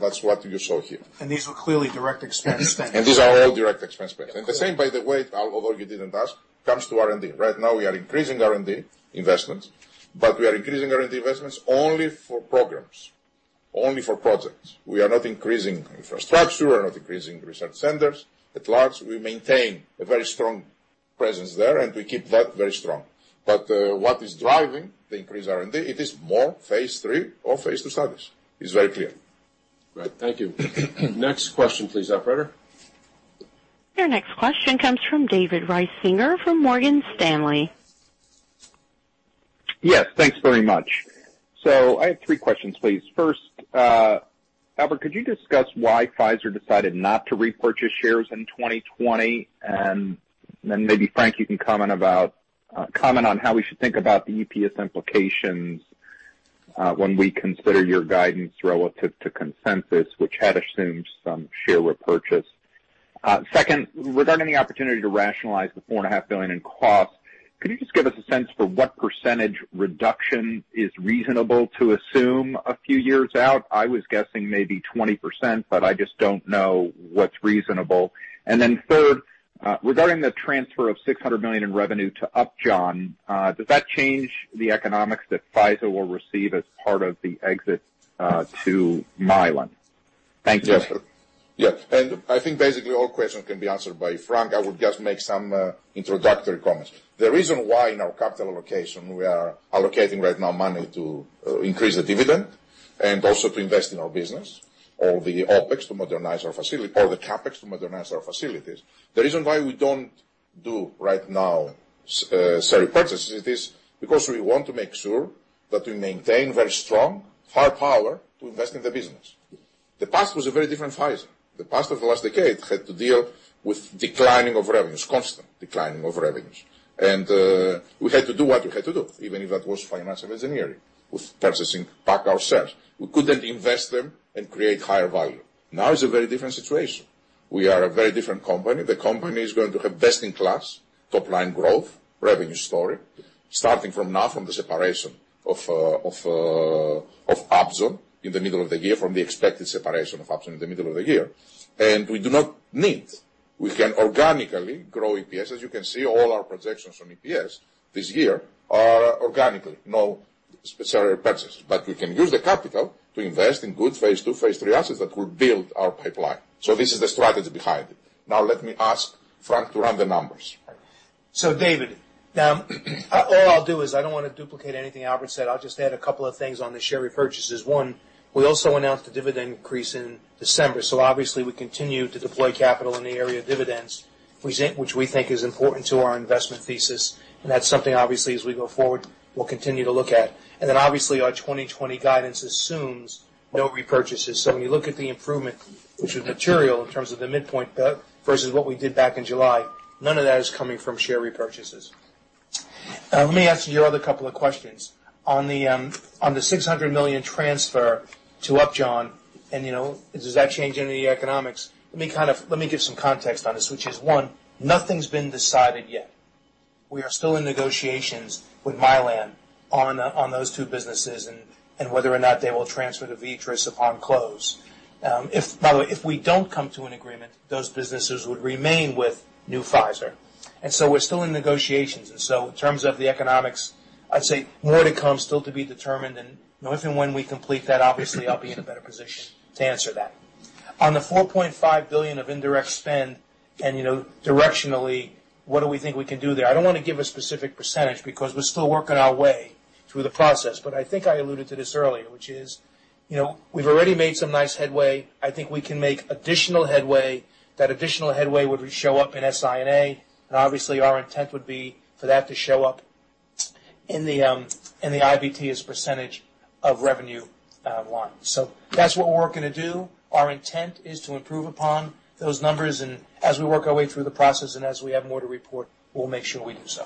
That's what you saw here.
These were clearly direct expense things.
These are all direct expense things. The same, by the way, although you didn't ask, comes to R&D. Right now, we are increasing R&D investments, but we are increasing R&D investments only for programs, only for projects. We are not increasing infrastructure. We are not increasing research centers at large. We maintain a very strong presence there, and we keep that very strong. What is driving the increased R&D, it is more Phase 3 or Phase 2 studies. It's very clear.
Right. Thank you. Next question, please, operator.
Your next question comes from David Risinger, from Morgan Stanley.
Yes, thanks very much. I have three questions, please. First, Albert, could you discuss why Pfizer decided not to repurchase shares in 2020? Maybe, Frank, you can comment on how we should think about the EPS implications when we consider your guidance relative to consensus, which had assumed some share repurchase. Second, regarding the opportunity to rationalize the $4.5 billion in costs, could you just give us a sense for what percentage reduction is reasonable to assume a few years out? I was guessing maybe 20%, I just don't know what's reasonable. Then third, regarding the transfer of $600 million in revenue to Upjohn, does that change the economics that Pfizer will receive as part of the exit to Mylan? Thank you.
Yes. I think basically all questions can be answered by Frank. I would just make some introductory comments. The reason why in our capital allocation, we are allocating right now money to increase the dividend and also to invest in our business, all the OpEx to modernize our facility or the CapEx to modernize our facilities. The reason why we don't do right now share repurchases, it is because we want to make sure that we maintain very strong hard power to invest in the business. The past was a very different Pfizer. The past of the last decade had to deal with declining of revenues, constant declining of revenues. We had to do what we had to do, even if that was financial engineering with purchasing back our shares. We couldn't invest them and create higher value. Now it's a very different situation. We are a very different company. The company is going to have best-in-class top-line growth revenue story starting from now from the separation of Upjohn in the middle of the year, from the expected separation of Upjohn in the middle of the year. We do not need, we can organically grow EPS. As you can see, all our projections on EPS this year are organically, no share repurchases. We can use the capital to invest in good Phase 2, Phase 3 assets that will build our pipeline. This is the strategy behind it. Now let me ask Frank to run the numbers.
David, now all I'll do is I don't want to duplicate anything Albert said. I'll just add a couple of things on the share repurchases. One, we also announced a dividend increase in December. Obviously, we continue to deploy capital in the area of dividends, which we think is important to our investment thesis, and that's something obviously, as we go forward, we'll continue to look at. Obviously, our 2020 guidance assumes no repurchases. When you look at the improvement, which is material in terms of the midpoint versus what we did back in July, none of that is coming from share repurchases. Let me answer your other couple of questions. On the $600 million transfer to Upjohn and does that change any of the economics? Let me give some context on this, which is one, nothing's been decided yet. We are still in negotiations with Mylan on those two businesses and whether or not they will transfer to Viatris upon close. By the way, if we don't come to an agreement, those businesses would remain with new Pfizer. We're still in negotiations. In terms of the economics, I'd say more to come, still to be determined. If and when we complete that, obviously, I'll be in a better position to answer that. On the $4.5 billion of indirect spend and directionally, what do we think we can do there? I don't want to give a specific % because we're still working our way through the process. I think I alluded to this earlier, which is, we've already made some nice headway. I think we can make additional headway. That additional headway would show up in SI&A, and obviously, our intent would be for that to show up in the IBT as percentage of revenue line. That's what we're working to do. Our intent is to improve upon those numbers. As we work our way through the process, and as we have more to report, we'll make sure we do so.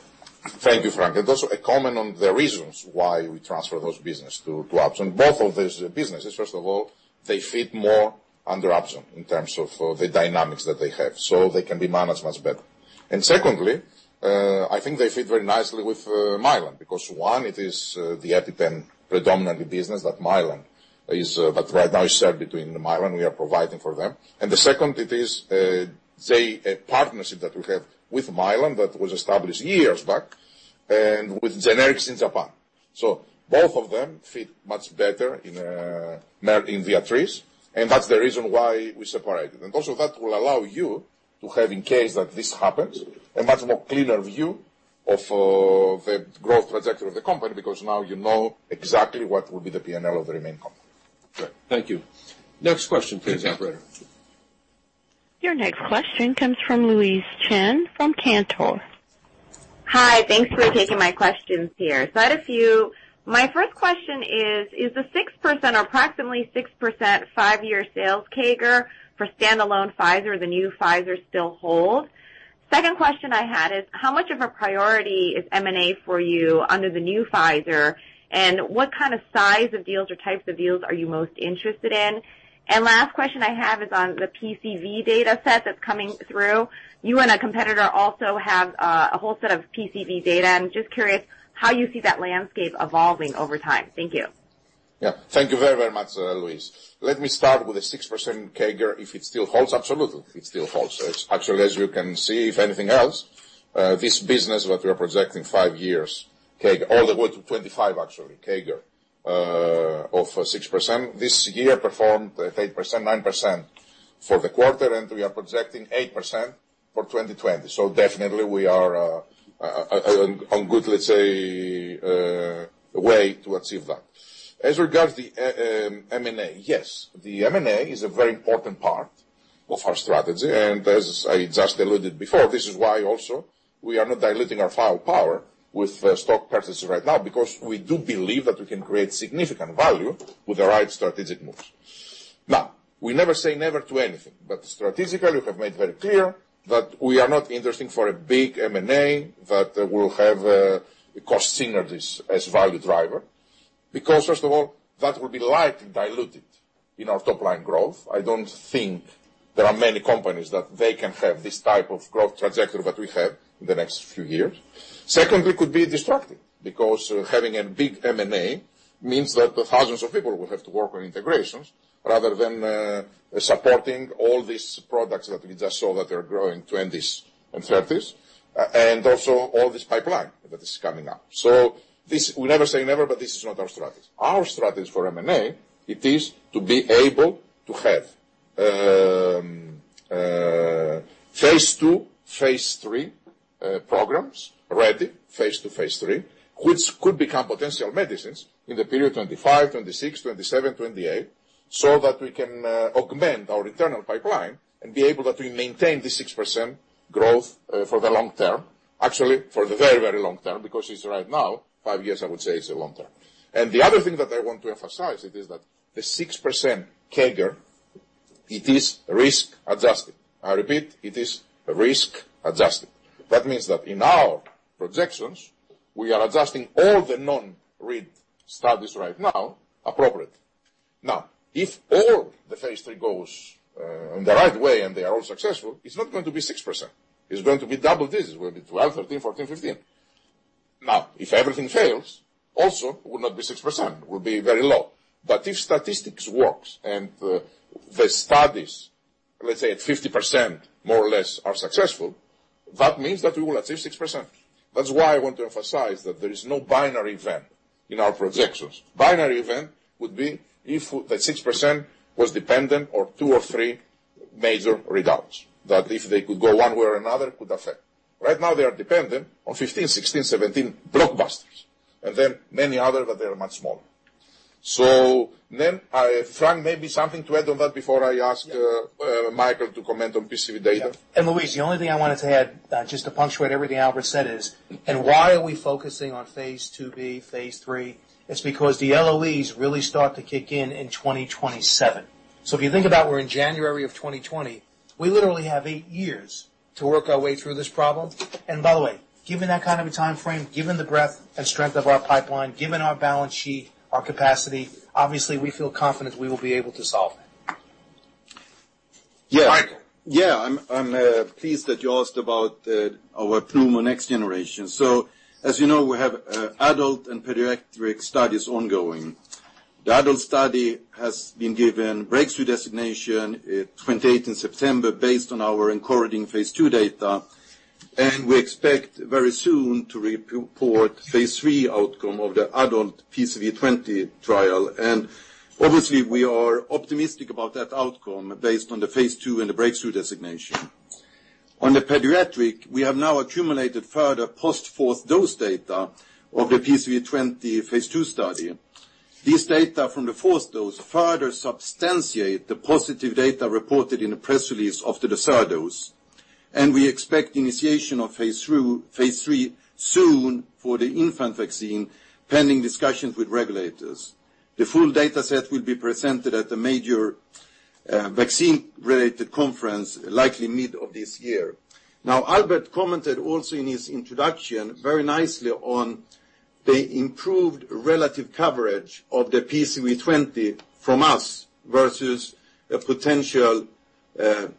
Thank you, Frank. Also a comment on the reasons why we transfer those business to Upjohn. Both of those businesses, first of all, they fit more under Upjohn in terms of the dynamics that they have, so they can be managed much better. Secondly, I think they fit very nicely with Mylan, because one, it is the EpiPen predominantly business that right now is shared between Mylan. We are providing for them. The second it is, say, a partnership that we have with Mylan that was established years back and with generics in Japan. Both of them fit much better in Viatris, and that's the reason why we separated. Also that will allow you to have, in case that this happens, a much clearer view of the growth trajectory of the company, because now you know exactly what will be the P&L of the remaining company.
Great. Thank you. Next question, please, operator.
Your next question comes from Louise Chen from Cantor.
Hi. Thanks for taking my questions here. It's quite a few. My first question is the 6% or approximately 6% five-year sales CAGR for stand-alone Pfizer, the new Pfizer still hold? Second question I had is how much of a priority is M&A for you under the new Pfizer, and what kind of size of deals or types of deals are you most interested in? Last question I have is on the PCV data set that's coming through. You and a competitor also have a whole set of PCV data. I'm just curious how you see that landscape evolving over time. Thank you.
Thank you very much, Louise. Let me start with the 6% CAGR, if it still holds. Absolutely, it still holds. Actually, as you can see, if anything else, this business that we are projecting five years, all the way to 2025 actually, CAGR of 6%. This year performed at 8%, 9% for the quarter, and we are projecting 8% for 2020. Definitely we are on good, let's say, way to achieve that. As regards the M&A, yes, the M&A is a very important part of our strategy. As I just alluded before, this is why also we are not diluting our firepower with stock purchases right now because we do believe that we can create significant value with the right strategic moves. Now we never say never to anything, strategically, we have made very clear that we are not interested for a big M&A that will have cost synergies as value driver because first of all, that will be lightly diluted in our top-line growth. I don't think there are many companies that they can have this type of growth trajectory that we have in the next few years. Secondly, could be disruptive because having a big M&A means that thousands of people will have to work on integrations rather than supporting all these products that we just saw that are growing 20s and 30s, and also all this pipeline that is coming up. We never say never, but this is not our strategy. Our strategy for M&A, it is to be able to have Phase 2, Phase 3 programs ready, which could become potential medicines in the period 2025, 2026, 2027, 2028, so that we can augment our internal pipeline and be able that we maintain the 6% growth for the long term. Actually, for the very long term, because it is right now, five years, I would say is the long-term. The other thing that I want to emphasize it is that the 6% CAGR, it is risk-adjusted. I repeat, it is risk-adjusted. That means that in our projections, we are adjusting all the non-Read studies right now appropriately. If all the phase III goes in the right way and they are all successful, it is not going to be 6%. It is going to be double this. It is going to be 12%, 13%, 14%, 15%. If everything fails, also will not be 6%. It will be very low. If statistics works and the studies, let's say at 50%, more or less are successful, that means that we will achieve 6%. That's why I want to emphasize that there is no binary event in our projections. Binary event would be if that 6% was dependent on two or three major readouts, that if they could go one way or another, it could affect. Right now they are dependent on 15, 16, 17 blockbusters, and then many other, but they are much smaller. Frank, maybe something to add on that before I ask Mikael to comment on PCV data.
Louise, the only thing I wanted to add, just to punctuate everything Albert said is, and why are we focusing on Phase 2b, Phase 3, is because the LOEs really start to kick in in 2027. If you think about we're in January of 2020, we literally have eight years to work our way through this problem. By the way, given that kind of a time frame, given the breadth and strength of our pipeline, given our balance sheet, our capacity, obviously we feel confident we will be able to solve.
Yeah. I'm pleased that you asked about our pneumo next generation. As you know, we have adult and pediatric studies ongoing. The adult study has been given Breakthrough designation 28th in September based on our encouraging Phase 2 data. We expect very soon to report Phase 3 outcome of the adult PCV20 trial. Obviously we are optimistic about that outcome based on the Phase 2 and the breakthrough designation. On the pediatric, we have now accumulated further post fourth dose data of the PCV20 Phase 2 study. This data from the fourth dose further substantiate the positive data reported in the press release after the third dose. We expect initiation of Phase 3 soon for the infant vaccine, pending discussions with regulators. The full data set will be presented at the major vaccine-related conference, likely mid of this year. Albert commented also in his introduction very nicely on the improved relative coverage of the PCV20 from us versus a potential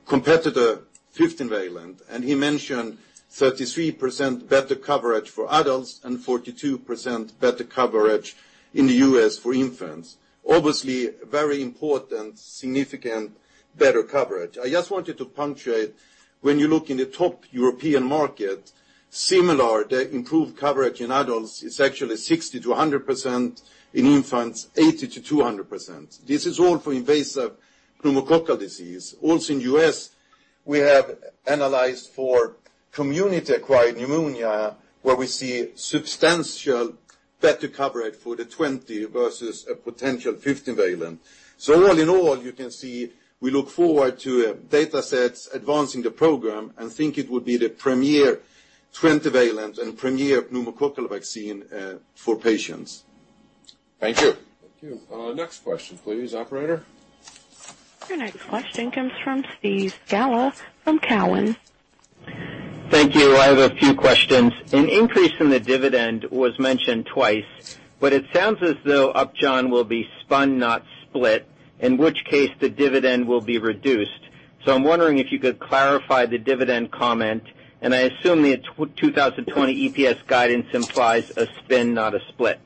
competitor, 15-valent, and he mentioned 33% better coverage for adults and 42% better coverage in the U.S. for infants, obviously very important, significant better coverage. I just wanted to punctuate, when you look in the top European market, similar, the improved coverage in adults is actually 60%-100%, in infants, 80%-200%. This is all for invasive pneumococcal disease. Also in U.S., we have analyzed for community acquired pneumonia, where we see substantial better coverage for the 20-versus a potential 15-valent. All in all, you can see, we look forward to data sets advancing the program and think it would be the premier 20-valent and premier pneumococcal vaccine for patients.
Thank you. Next question, please, operator.
Your next question comes from Steve Scala from Cowen.
Thank you. I have a few questions. An increase in the dividend was mentioned twice, but it sounds as though Upjohn will be spun, not split, in which case the dividend will be reduced. I'm wondering if you could clarify the dividend comment, and I assume the 2020 EPS guidance implies a spin, not a split.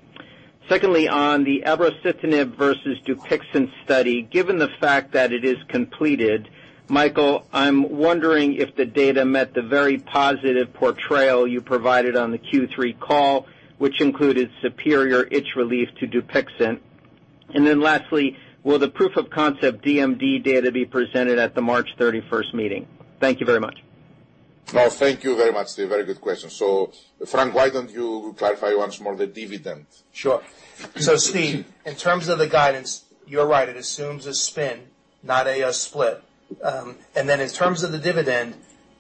Secondly, on the abrocitinib versus Dupixent study, given the fact that it is completed, Mikael, I'm wondering if the data met the very positive portrayal you provided on the Q3 call, which included superior itch relief to Dupixent. Lastly, will the proof of concept DMD data be presented at the March 31st meeting? Thank you very much.
Well, thank you very much, Steve. Very good question. Frank, why don't you clarify once more the dividend?
Sure. Steve, in terms of the guidance, you're right, it assumes a spin, not a split. In terms of the dividend,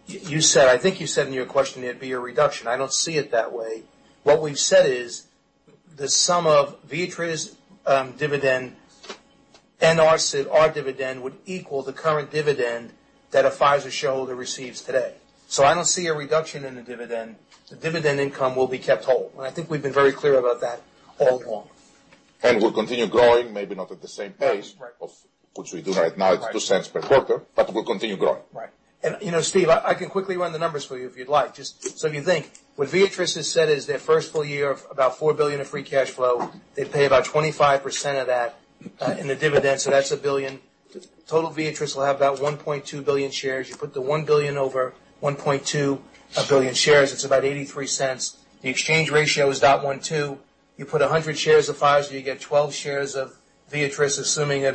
I think you said in your question it'd be a reduction. I don't see it that way. What we've said is the sum of Viatris dividend and our dividend would equal the current dividend that a Pfizer shareholder receives today. I don't see a reduction in the dividend. The dividend income will be kept whole, and I think we've been very clear about that all along.
Will continue growing, maybe not at the same pace.
Right
of which we do right now at $0.02 per quarter, but will continue growing.
Right. Steve, I can quickly run the numbers for you if you'd like. Just so if you think, what Viatris has said is their first full year of about $4 billion of free cash flow, they pay about 25% of that in the dividend, so that's $1 billion. Total Viatris will have about 1.2 billion shares. You put the $1 billion over 1.2 billion shares, it's about $0.83. The exchange ratio is 0.12. You put 100 shares of Pfizer, you get 12 shares of Viatris, assuming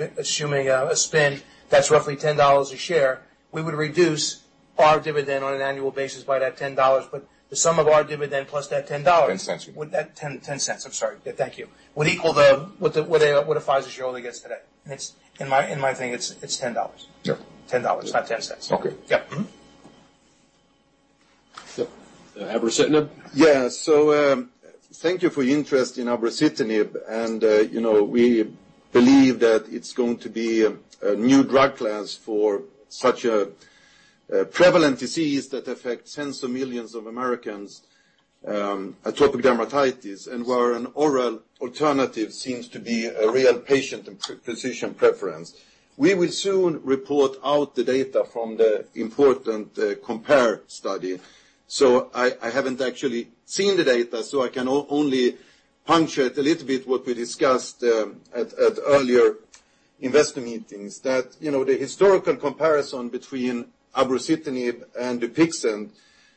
a spin. That's roughly $10 a share. We would reduce our dividend on an annual basis by that $10, but the sum of our dividend plus that $10.
$0.10
$0.10, I'm sorry. Thank you. Would equal what a Pfizer shareholder gets today. In my thing, it's $10.
Sure.
$10, not $0.10.
Okay.
Yep. Mm-hmm.
abrocitinib?
Thank you for your interest in abrocitinib, and we believe that it's going to be a new drug class for such a prevalent disease that affects tens of millions of Americans, atopic dermatitis, and where an oral alternative seems to be a real patient and physician preference. We will soon report out the data from the important Compare study. I haven't actually seen the data, so I can only punctuate a little bit what we discussed at earlier investor meetings. That the historical comparison between abrocitinib and Dupixent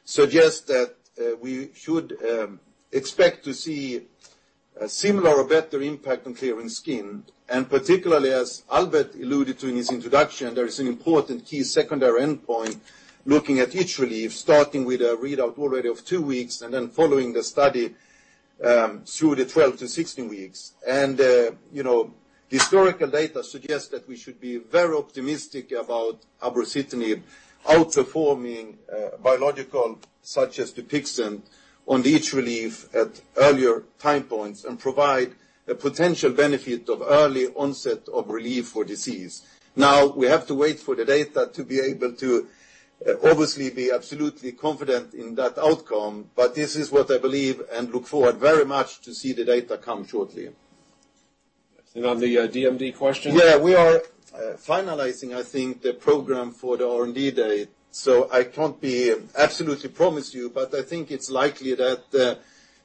suggests that we should expect to see a similar or better impact on clearing skin. Particularly as Albert alluded to in his introduction, there is an important key secondary endpoint looking at itch relief, starting with a readout already of two weeks, and then following the study through the 12 to 16 weeks. Historical data suggests that we should be very optimistic about abrocitinib outperforming biological such as Dupixent on the itch relief at earlier time points and provide a potential benefit of early onset of relief for disease. Now, we have to wait for the data to be able to obviously be absolutely confident in that outcome, but this is what I believe and look forward very much to see the data come shortly.
On the DMD question?
Yeah, we are finalizing, I think, the program for the R&D Day, so I can't absolutely promise you, but I think it's likely that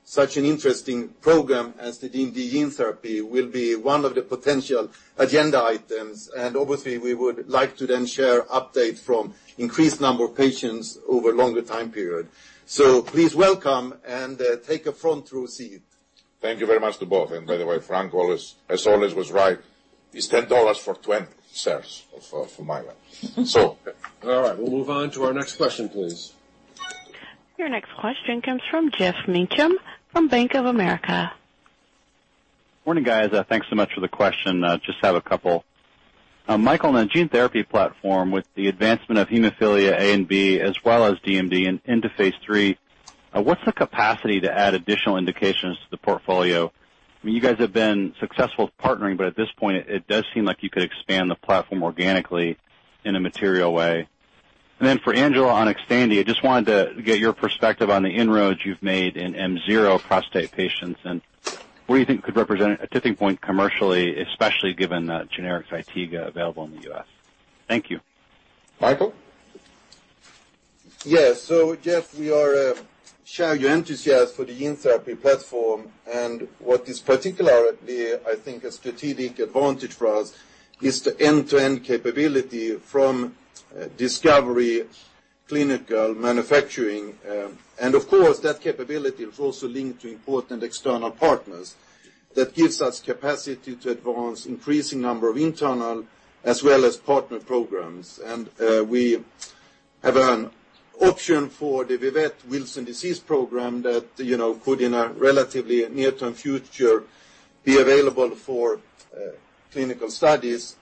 such an interesting program as the DMD gene therapy will be one of the potential agenda items. Obviously, we would like to then share updates from increased number of patients over a longer time period. Please welcome and take a front row seat.
Thank you very much to both. By the way, Frank, as always, was right. It's $10 for 20 shares from my end.
All right. We'll move on to our next question, please.
Your next question comes from Geoff Meacham from Bank of America.
Morning, guys. Thanks so much for the question. Just have a couple. Mikael, on the gene therapy platform, with the advancement of hemophilia A and B as well as DMD into Phase 3, what's the capacity to add additional indications to the portfolio? You guys have been successful with partnering, but at this point, it does seem like you could expand the platform organically in a material way. Then for Angela, on Xtandi, I just wanted to get your perspective on the inroads you've made in M0 prostate patients and what do you think could represent a tipping point commercially, especially given generic ZYTIGA available in the U.S. Thank you.
Mikael?
Yes. Geoff, we are showing enthusiasm for the gene therapy platform. What is particularly, I think, a strategic advantage for us is the end-to-end capability from discovery, clinical manufacturing. Of course, that capability is also linked to important external partners that gives us capacity to advance increasing number of internal as well as partner programs. We have an option for the Vivet Wilson disease program that could, in a relatively near-term future, be available for clinical studies.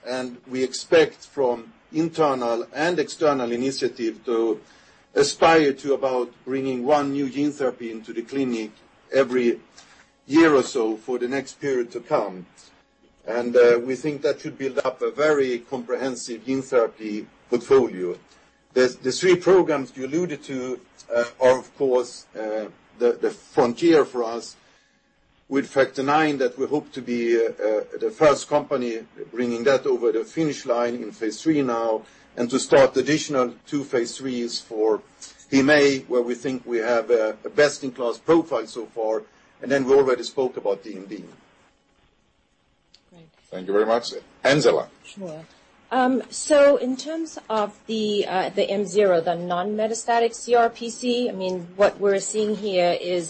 We expect from internal and external initiative to aspire to about bringing one new gene therapy into the clinic every year or so for the next period to come. We think that should build up a very comprehensive gene therapy portfolio. The three programs you alluded to are, of course, the frontier for us with factor IX, that we hope to be the first company bringing that over the finish line in phase III now, and to start additional two phase 3s for HemA, where we think we have a best-in-class profile so far. We already spoke about DMD.
Great. Thank you very much. Angela.
Sure. In terms of the M0, the non-metastatic CRPC, what we're seeing here is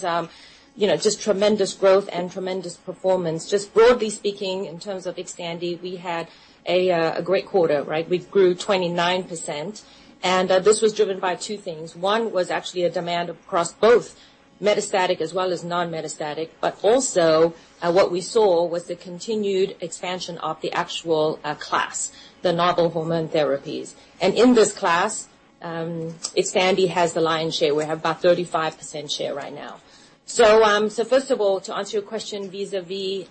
just tremendous growth and tremendous performance. Just broadly speaking, in terms of Xtandi, we had a great quarter, right? We grew 29%, and this was driven by two things. One was actually a demand across both metastatic as well as non-metastatic, but also what we saw was the continued expansion of the actual class, the novel hormone therapies. In this class, Xtandi has the lion's share. We have about 35% share right now. First of all, to answer your question vis-à-vis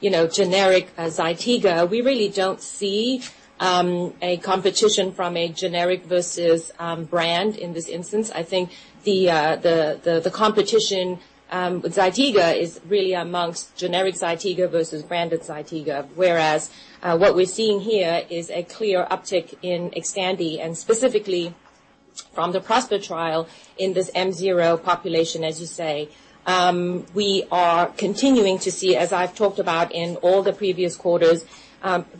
generic ZYTIGA, we really don't see a competition from a generic versus brand in this instance. I think the competition with ZYTIGA is really amongst generic ZYTIGA versus branded ZYTIGA, whereas what we're seeing here is a clear uptick in Xtandi, and specifically from the PROSPER trial in this M0 population, as you say. We are continuing to see, as I've talked about in all the previous quarters,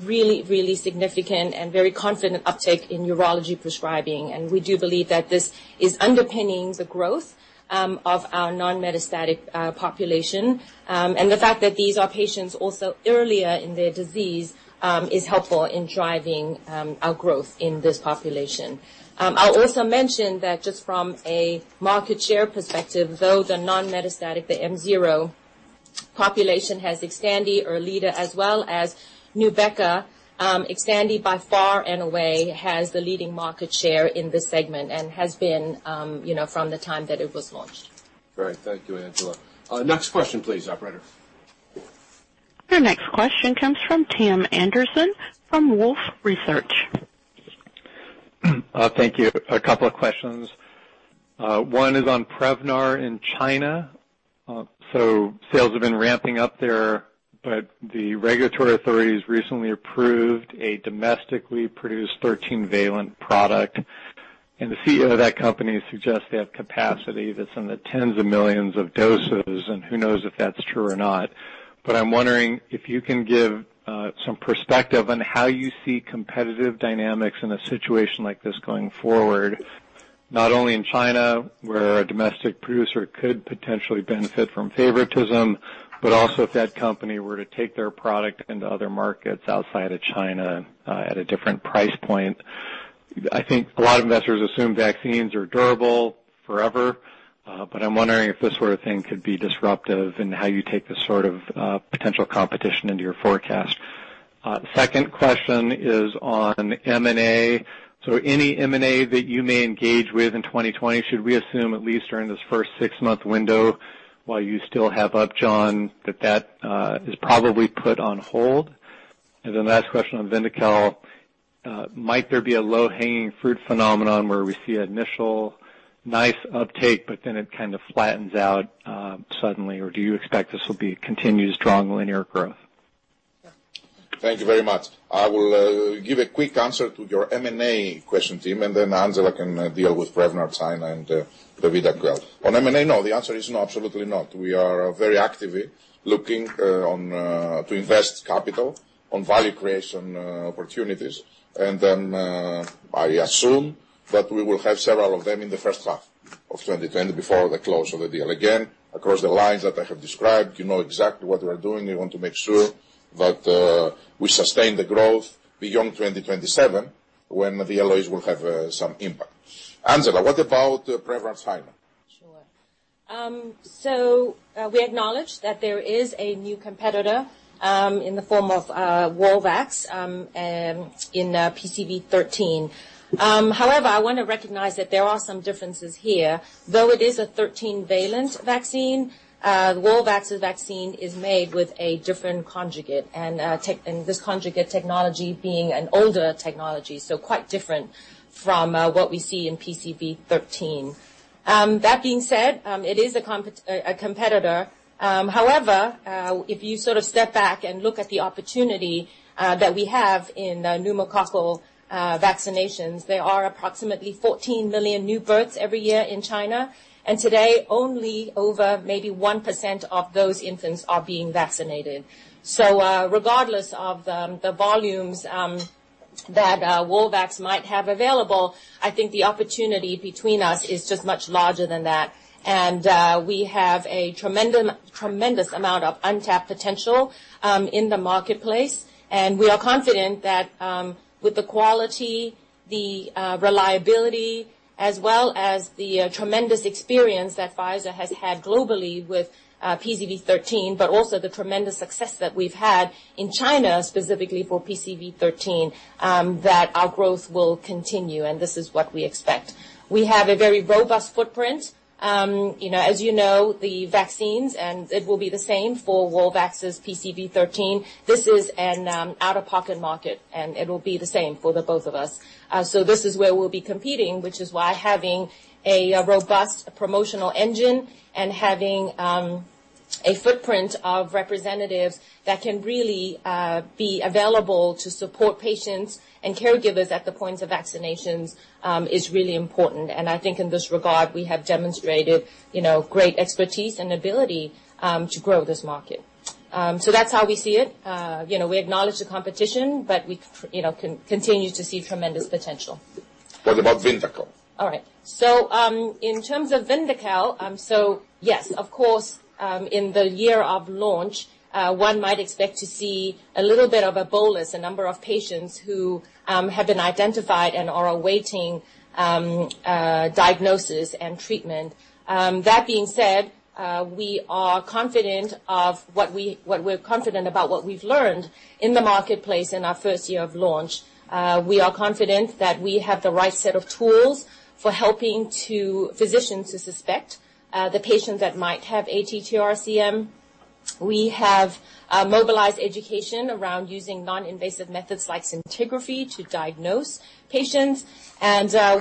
really significant and very confident uptick in urology prescribing. We do believe that this is underpinning the growth of our non-metastatic population. The fact that these are patients also earlier in their disease is helpful in driving our growth in this population. I'll also mention that just from a market share perspective, though the non-metastatic, the M0 population has Xtandi or ERLEADA as well as NUBEQA, Xtandi by far and away has the leading market share in this segment and has been from the time that it was launched.
Great. Thank you, Angela. Next question please, operator.
Your next question comes from Tim Anderson from Wolfe Research.
Thank you. A couple of questions. One is on Prevnar in China. Sales have been ramping up there. The regulatory authorities recently approved a domestically produced 13-valent product. The CEO of that company suggests they have capacity that's in the tens of millions of doses. Who knows if that's true or not. I'm wondering if you can give some perspective on how you see competitive dynamics in a situation like this going forward, not only in China, where a domestic producer could potentially benefit from favoritism, but also if that company were to take their product into other markets outside of China at a different price point. I think a lot of investors assume vaccines are durable forever. I'm wondering if this sort of thing could be disruptive and how you take this sort of potential competition into your forecast. Second question is on M&A. Any M&A that you may engage with in 2020, should we assume, at least during this first six-month window while you still have Upjohn, that that is probably put on hold? Last question on VYNDAQEL. Might there be a low-hanging fruit phenomenon where we see initial nice uptake, but then it kind of flattens out suddenly? Do you expect this will be continued strong linear growth?
Thank you very much. I will give a quick answer to your M&A question, Tim, and then Angela can deal with Prevnar 13 and the VYNDAQEL growth. On M&A, no, the answer is no, absolutely not. We are very actively looking to invest capital on value creation opportunities. I assume that we will have several of them in the first half of 2020 before the close of the deal. Again, across the lines that I have described, you know exactly what we are doing. We want to make sure that we sustain the growth beyond 2027, when the LOEs will have some impact. Angela, what about Prevnar in China?
Sure. We acknowledge that there is a new competitor in the form of Walvax in PCV13. However, I want to recognize that there are some differences here. Though it is a 13-valent vaccine, Walvax's vaccine is made with a different conjugate, and this conjugate technology being an older technology, so quite different from what we see in PCV13. That being said, it is a competitor. If you sort of step back and look at the opportunity that we have in pneumococcal vaccinations, there are approximately 14 million new births every year in China, and today, only over maybe 1% of those infants are being vaccinated. Regardless of the volumes that Walvax might have available, I think the opportunity between us is just much larger than that. We have a tremendous amount of untapped potential in the marketplace, and we are confident that with the quality, the reliability, as well as the tremendous experience that Pfizer has had globally with PCV13, but also the tremendous success that we've had in China, specifically for PCV13, that our growth will continue, and this is what we expect. We have a very robust footprint. As you know, the vaccines, and it will be the same for Walvax's PCV13. This is an out-of-pocket market, and it will be the same for the both of us. This is where we'll be competing, which is why having a robust promotional engine and having a footprint of representatives that can really be available to support patients and caregivers at the point of vaccinations is really important, and I think in this regard, we have demonstrated great expertise and ability to grow this market. That's how we see it. We acknowledge the competition, but we continue to see tremendous potential.
What about VYNDAQEL?
All right. In terms of VYNDAQEL, yes, of course, in the year of launch, one might expect to see a little bit of a bolus, a number of patients who have been identified and are awaiting diagnosis and treatment. That being said, we are confident about what we've learned in the marketplace in our first year of launch. We are confident that we have the right set of tools for helping physicians to suspect the patients that might have ATTR-CM. We have mobilized education around using non-invasive methods like scintigraphy to diagnose patients,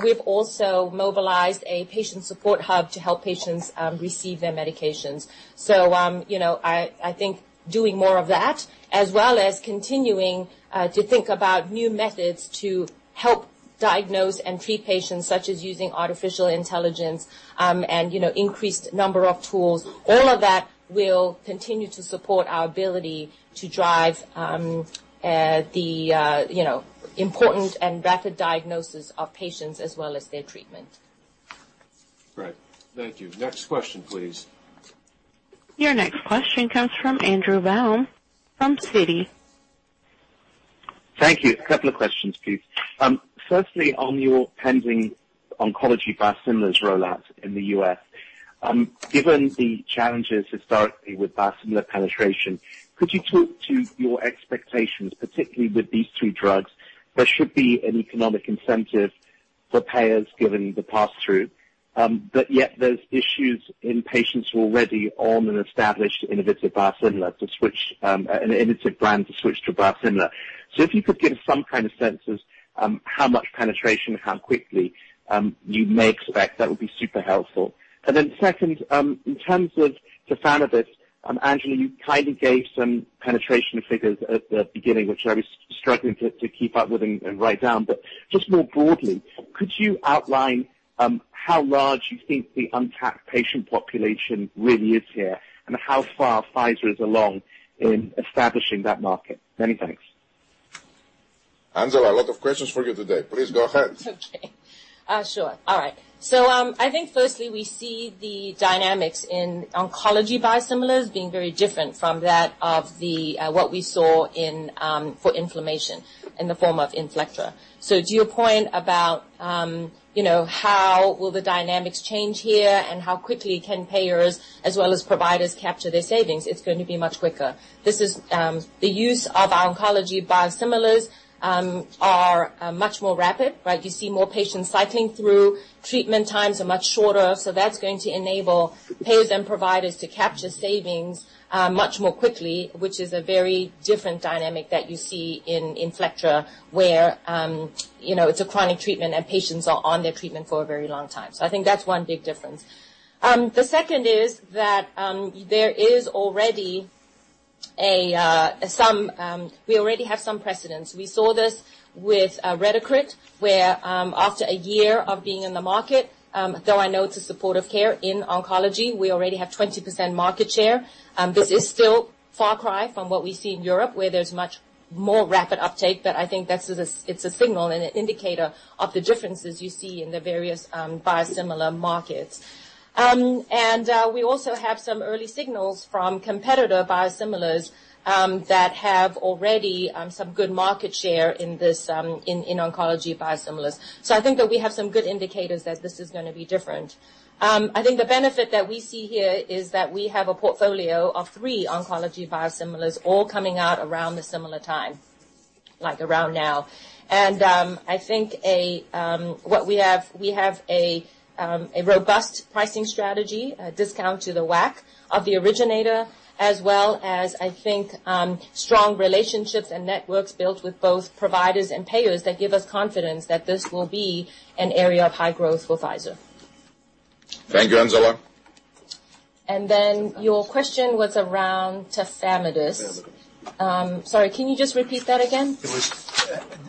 we've also mobilized a patient support hub to help patients receive their medications. I think doing more of that, as well as continuing to think about new methods to help diagnose and treat patients, such as using artificial intelligence, and increased number of tools, all of that will continue to support our ability to drive the important and rapid diagnosis of patients as well as their treatment.
Great. Thank you. Next question, please.
Your next question comes from Andrew Baum from Citi.
Thank you. A couple of questions, please. On your pending oncology biosimilars rollout in the U.S. Given the challenges historically with biosimilar penetration, could you talk to your expectations, particularly with these three drugs? There should be an economic incentive for payers given the pass-through. Yet there's issues in patients who are already on an established innovative biosimilar to switch an innovative brand to switch to a biosimilar. If you could give some kind of sense as how much penetration, how quickly you may expect, that would be super helpful. Second, in terms of tafamidis, Angela, you kindly gave some penetration figures at the beginning, which I was struggling to keep up with and write down. Just more broadly, could you outline how large you think the untapped patient population really is here, and how far Pfizer is along in establishing that market? Many thanks.
Angela, a lot of questions for you today. Please go ahead.
Okay. Sure. All right. I think firstly, we see the dynamics in oncology biosimilars being very different from that of what we saw for inflammation in the form of Inflectra. To your point about how will the dynamics change here, and how quickly can payers as well as providers capture their savings, it's going to be much quicker. The use of our oncology biosimilars are much more rapid, right? You see more patients cycling through. Treatment times are much shorter. That's going to enable payers and providers to capture savings much more quickly, which is a very different dynamic that you see in Inflectra, where it's a chronic treatment and patients are on their treatment for a very long time. I think that's one big difference. The second is that We already have some precedents. We saw this with RETACRIT, where after a year of being in the market, though I know it's a supportive care in oncology, we already have 20% market share. This is still far cry from what we see in Europe, where there's much more rapid uptake, but I think it's a signal and an indicator of the differences you see in the various biosimilar markets. We also have some early signals from competitor biosimilars that have already some good market share in oncology biosimilars. I think that we have some good indicators that this is going to be different. I think the benefit that we see here is that we have a portfolio of three oncology biosimilars all coming out around a similar time, like around now. I think we have a robust pricing strategy discount to the WACC of the originator, as well as, I think, strong relationships and networks built with both providers and payers that give us confidence that this will be an area of high growth for Pfizer.
Thank you, Angela.
Your question was around tafamidis. Sorry, can you just repeat that again?
It was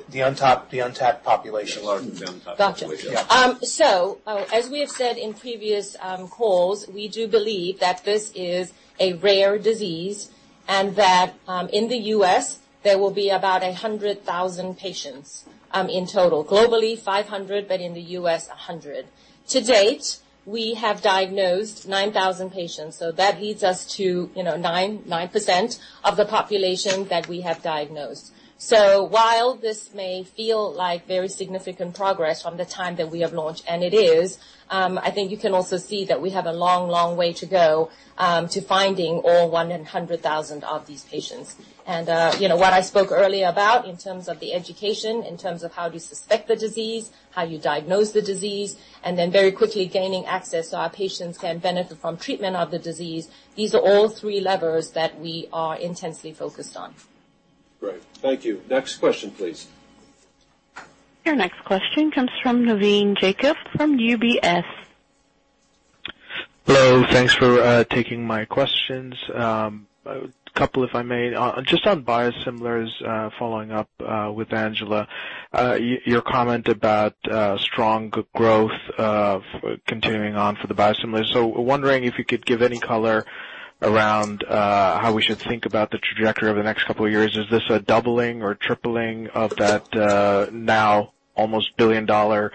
the untapped population.
The large untapped population.
Got you.
Yeah.
As we have said in previous calls, we do believe that this is a rare disease and that in the U.S., there will be about 100,000 patients in total. Globally, 500,000 but in the U.S., 100,000. To date, we have diagnosed 9,000 patients. That leads us to 9% of the population that we have diagnosed. While this may feel like very significant progress from the time that we have launched, and it is, I think you can also see that we have a long way to go to finding all 100,000 of these patients. What I spoke earlier about in terms of the education, in terms of how you suspect the disease, how you diagnose the disease, and then very quickly gaining access so our patients can benefit from treatment of the disease, these are all three levers that we are intensely focused on.
Great. Thank you. Next question, please.
Your next question comes from Navin Jacob from UBS.
Hello. Thanks for taking my questions. A couple if I may. On biosimilars, following up with Angela, your comment about strong growth continuing on for the biosimilars. Wondering if you could give any color around how we should think about the trajectory over the next couple of years. Is this a doubling or tripling of that now almost $1 billion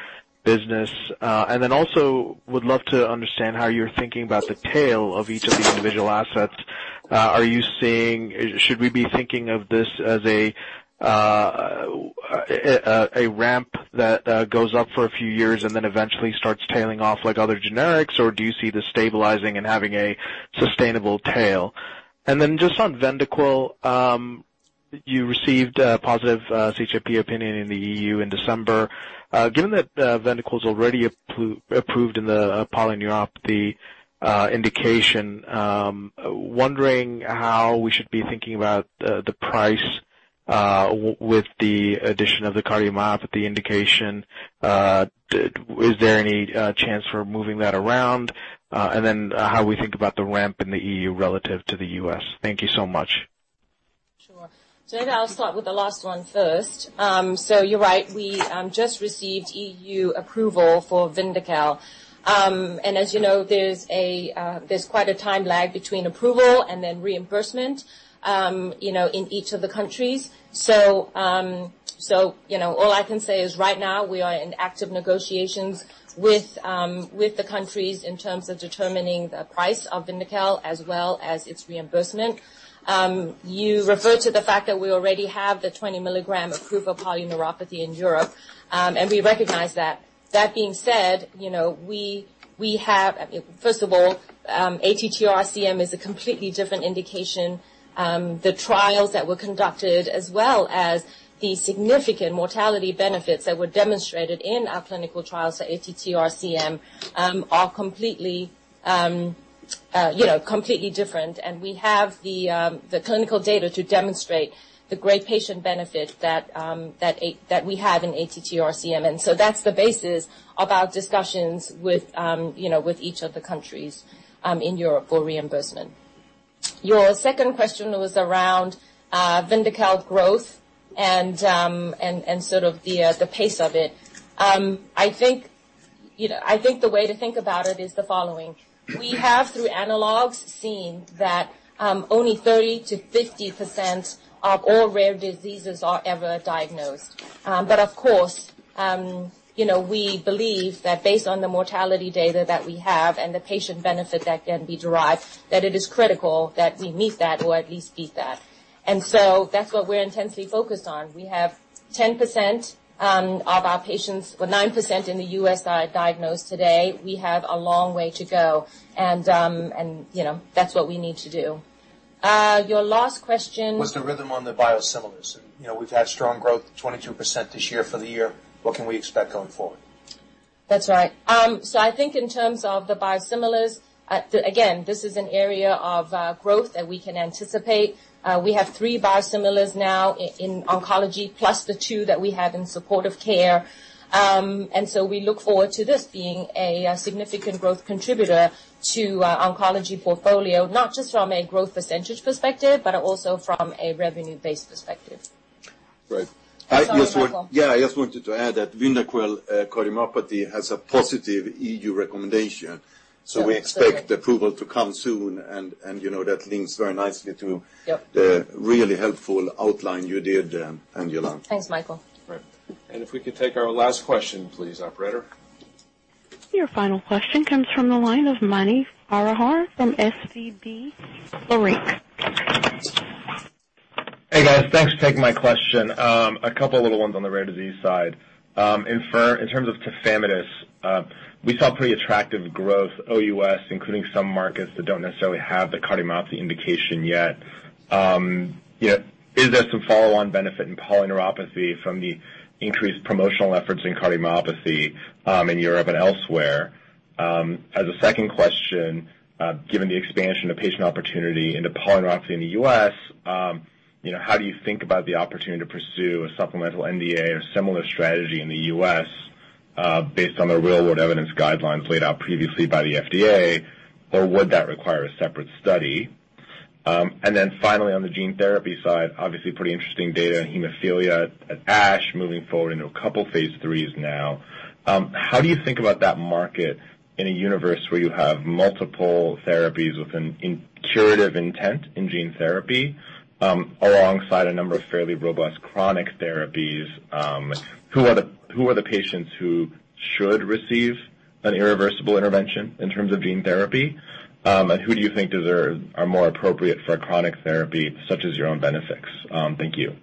business? Also would love to understand how you're thinking about the tail of each of the individual assets. Should we be thinking of this as a ramp that goes up for a few years and then eventually starts tailing off like other generics, or do you see this stabilizing and having a sustainable tail? Just on VYNDAQEL, you received a positive CHMP opinion in the EU in December. Given that VYNDAQEL's already approved in the polyneuropathy indication, wondering how we should be thinking about the price with the addition of the cardiomyopathy indication. Is there any chance for moving that around? How we think about the ramp in the EU relative to the U.S. Thank you so much.
Sure. Maybe I'll start with the last one first. You're right, we just received EU approval for VYNDAQEL. As you know, there's quite a time lag between approval and then reimbursement in each of the countries. All I can say is right now we are in active negotiations with the countries in terms of determining the price of VYNDAQEL as well as its reimbursement. You referred to the fact that we already have the 20 milligram approval polyneuropathy in Europe, and we recognize that. That being said, first of all, ATTR-CM is a completely different indication. The trials that were conducted, as well as the significant mortality benefits that were demonstrated in our clinical trials for ATTR-CM are completely different. We have the clinical data to demonstrate the great patient benefit that we have in ATTR-CM. That's the basis of our discussions with each of the countries in Europe for reimbursement. Your second question was around VYNDAQEL growth and sort of the pace of it. I think the way to think about it is the following. We have, through analogs, seen that only 30%-50% of all rare diseases are ever diagnosed. Of course, we believe that based on the mortality data that we have and the patient benefit that can be derived, that it is critical that we meet that or at least beat that. That's what we're intensely focused on. We have 10% of our patients, or 9% in the U.S. are diagnosed today. We have a long way to go. That's what we need to do. Your last question.
Was the rhythm on the biosimilars. We've had strong growth, 22% this year for the year. What can we expect going forward?
That's right. I think in terms of the biosimilars, again, this is an area of growth that we can anticipate. We have three biosimilars now in oncology plus the two that we have in supportive care. We look forward to this being a significant growth contributor to our oncology portfolio, not just from a growth % perspective, but also from a revenue-based perspective.
Right.
Sorry, Mikael.
I just wanted to add that VYNDAQEL cardiomyopathy has a positive EU recommendation.
Yeah, exactly.
We expect approval to come soon, and that links very nicely.
Yep
Really helpful outline you did, Angela.
Thanks, Mikael.
Right. If we could take our last question, please, operator.
Your final question comes from the line of Mani Foroohar from SVB Leerink.
Hey, guys. Thanks for taking my question. A couple of little ones on the rare disease side. In terms of tafamidis, we saw pretty attractive growth OUS, including some markets that don't necessarily have the cardiomyopathy indication yet. Is there some follow-on benefit in polyneuropathy from the increased promotional efforts in cardiomyopathy, in Europe and elsewhere? A second question, given the expansion of patient opportunity into polyneuropathy in the U.S., how do you think about the opportunity to pursue a supplemental NDA or similar strategy in the U.S. based on the real-world evidence guidelines laid out previously by the FDA, or would that require a separate study? Finally, on the gene therapy side, obviously pretty interesting data in hemophilia at ASH, moving forward into a couple Phase 3 now. How do you think about that market in a universe where you have multiple therapies with a curative intent in gene therapy, alongside a number of fairly robust chronic therapies? Who are the patients who should receive an irreversible intervention in terms of gene therapy? Who do you think are more appropriate for a chronic therapy such as your own benefits? Thank you.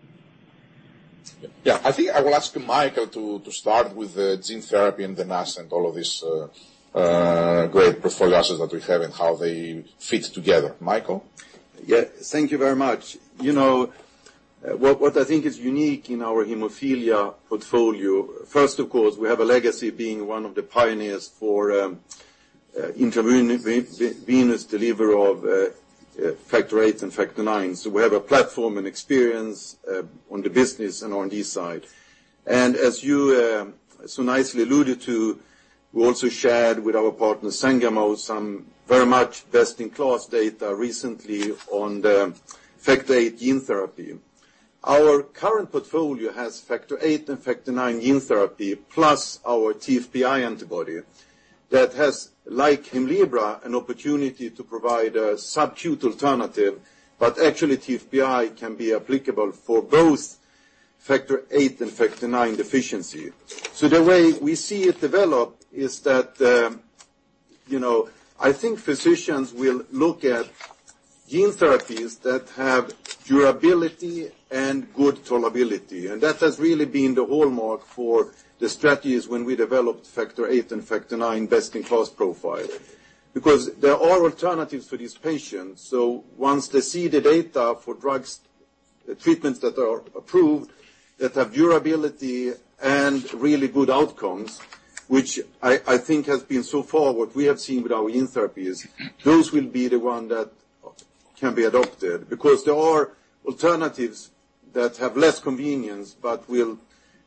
Yeah. I think I will ask Mikael to start with the gene therapy and then ask Angela this great portfolio assets that we have and how they fit together. Mikael?
Yeah. Thank you very much. What I think is unique in our hemophilia portfolio, first, of course, we have a legacy being one of the pioneers for intravenous delivery of factor VIII and factor IX. We have a platform and experience on the business and R&D side. As you so nicely alluded to, we also shared with our partner, Sangamo, some very much best-in-class data recently on the factor VIII gene therapy. Our current portfolio has factor VIII and factor IX gene therapy, plus our TFPI antibody that has, like HEMLIBRA, an opportunity to provide a substitute alternative, but actually TFPI can be applicable for both factor VIII and factor IX deficiency. The way we see it develop is that, I think physicians will look at gene therapies that have durability and good tolerability. That has really been the hallmark for the strategies when we developed factor VIII and factor IX best-in-class profile. There are alternatives for these patients. Once they see the data for treatments that are approved that have durability and really good outcomes, which I think has been so far what we have seen with our gene therapies, those will be the ones that can be adopted. There are alternatives that have less convenience but will,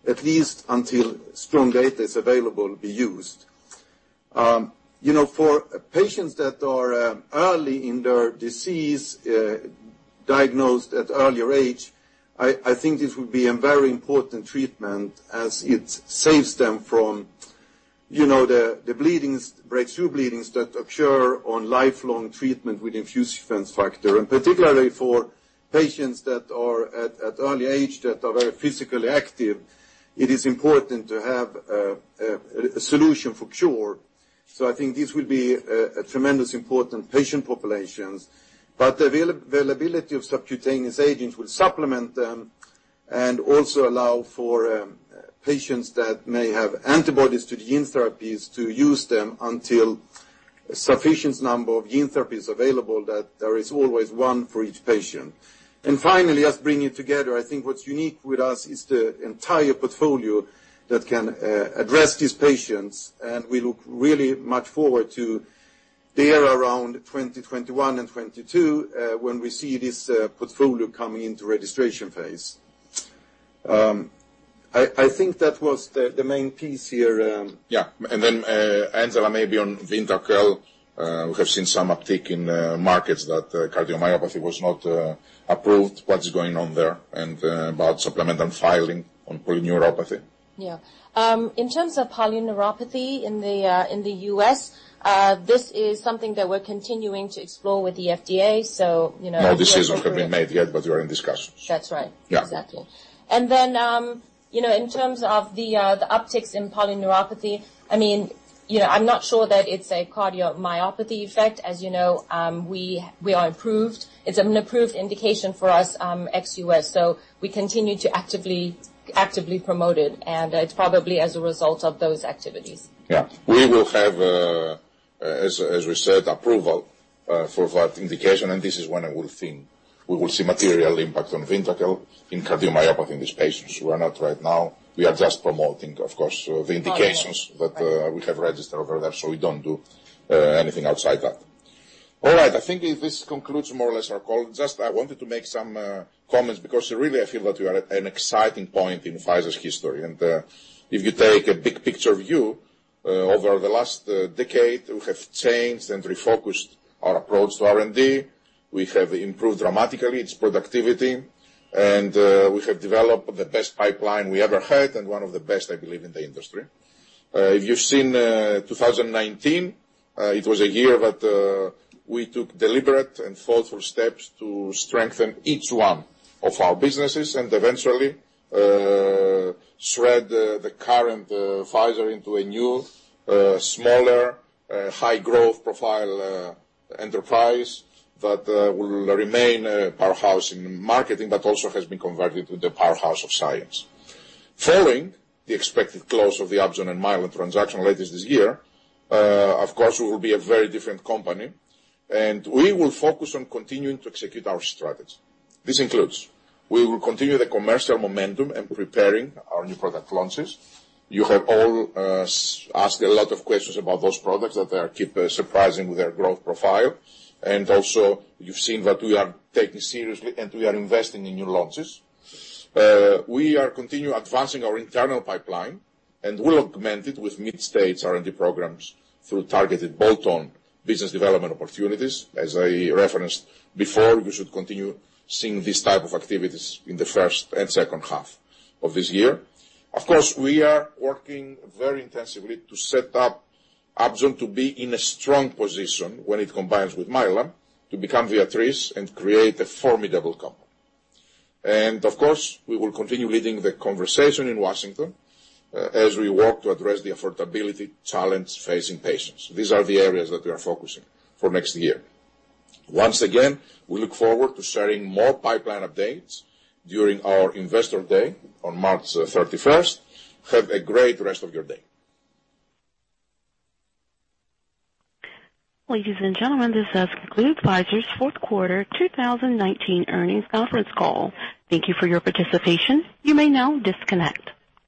at least until strong data is available, be used. For patients that are early in their disease, diagnosed at earlier age, I think this would be a very important treatment as it saves them from the breakthrough bleedings that occur on lifelong treatment with intravenous factor. Particularly for patients that are at early age that are very physically active, it is important to have a solution for cure. I think this will be a tremendously important patient population. The availability of subcutaneous agents will supplement them and also allow for patients that may have antibodies to the gene therapies to use them until sufficient number of gene therapy is available, that there is always one for each patient. Finally, just bringing it together, I think what's unique with us is the entire portfolio that can address these patients, and we look really much forward to there around 2021 and 2022, when we see this portfolio coming into registration phase. I think that was the main piece here.
Yeah. Angela, maybe on VYNDAQEL. We have seen some uptick in markets that cardiomyopathy was not approved. What's going on there? About supplemental filing on polyneuropathy.
Yeah. In terms of polyneuropathy in the U.S., this is something that we're continuing to explore with the FDA.
No decisions have been made yet. You are in discussions.
That's right. Exactly. In terms of the upticks in polyneuropathy, I'm not sure that it's a cardiomyopathy effect. As you know, we are approved. It's an approved indication for us ex-U.S., so we continue to actively promote it, and it's probably as a result of those activities.
Yeah. We will have, as we said, approval for that indication, and this is when we will see material impact on VYNDAQEL in cardiomyopathy in these patients. We are not right now. We are just promoting, of course, the indications that we have registered over there, so we don't do anything outside that. All right. I think this concludes more or less our call. Just I wanted to make some comments because really I feel that we are at an exciting point in Pfizer's history. If you take a big picture view. Over the last decade, we have changed and refocused our approach to R&D. We have improved dramatically its productivity, and we have developed the best pipeline we ever had and one of the best, I believe, in the industry. If you've seen 2019, it was a year that we took deliberate and thoughtful steps to strengthen each one of our businesses and eventually shed the current Pfizer into a new, smaller, high-growth profile enterprise that will remain a powerhouse in marketing, but also has been converted to the powerhouse of science. Following the expected close of the Upjohn and Mylan transaction later this year, of course, we will be a very different company, and we will focus on continuing to execute our strategy. This includes we will continue the commercial momentum and preparing our new product launches. You have all asked a lot of questions about those products that keep surprising with their growth profile. Also you've seen that we are taking seriously, and we are investing in new launches. We are continue advancing our internal pipeline. We'll augment it with mid-stage R&D programs through targeted bolt-on business development opportunities. As I referenced before, we should continue seeing these type of activities in the first and second half of this year. We are working very intensively to set up Upjohn to be in a strong position when it combines with Mylan to become Viatris and create a formidable company. We will continue leading the conversation in Washington as we work to address the affordability challenge facing patients. These are the areas that we are focusing for next year. Once again, we look forward to sharing more pipeline updates during our investor day on March 31st. Have a great rest of your day.
Ladies and gentlemen, this does conclude Pfizer's fourth quarter 2019 earnings conference call. Thank you for your participation. You may now disconnect.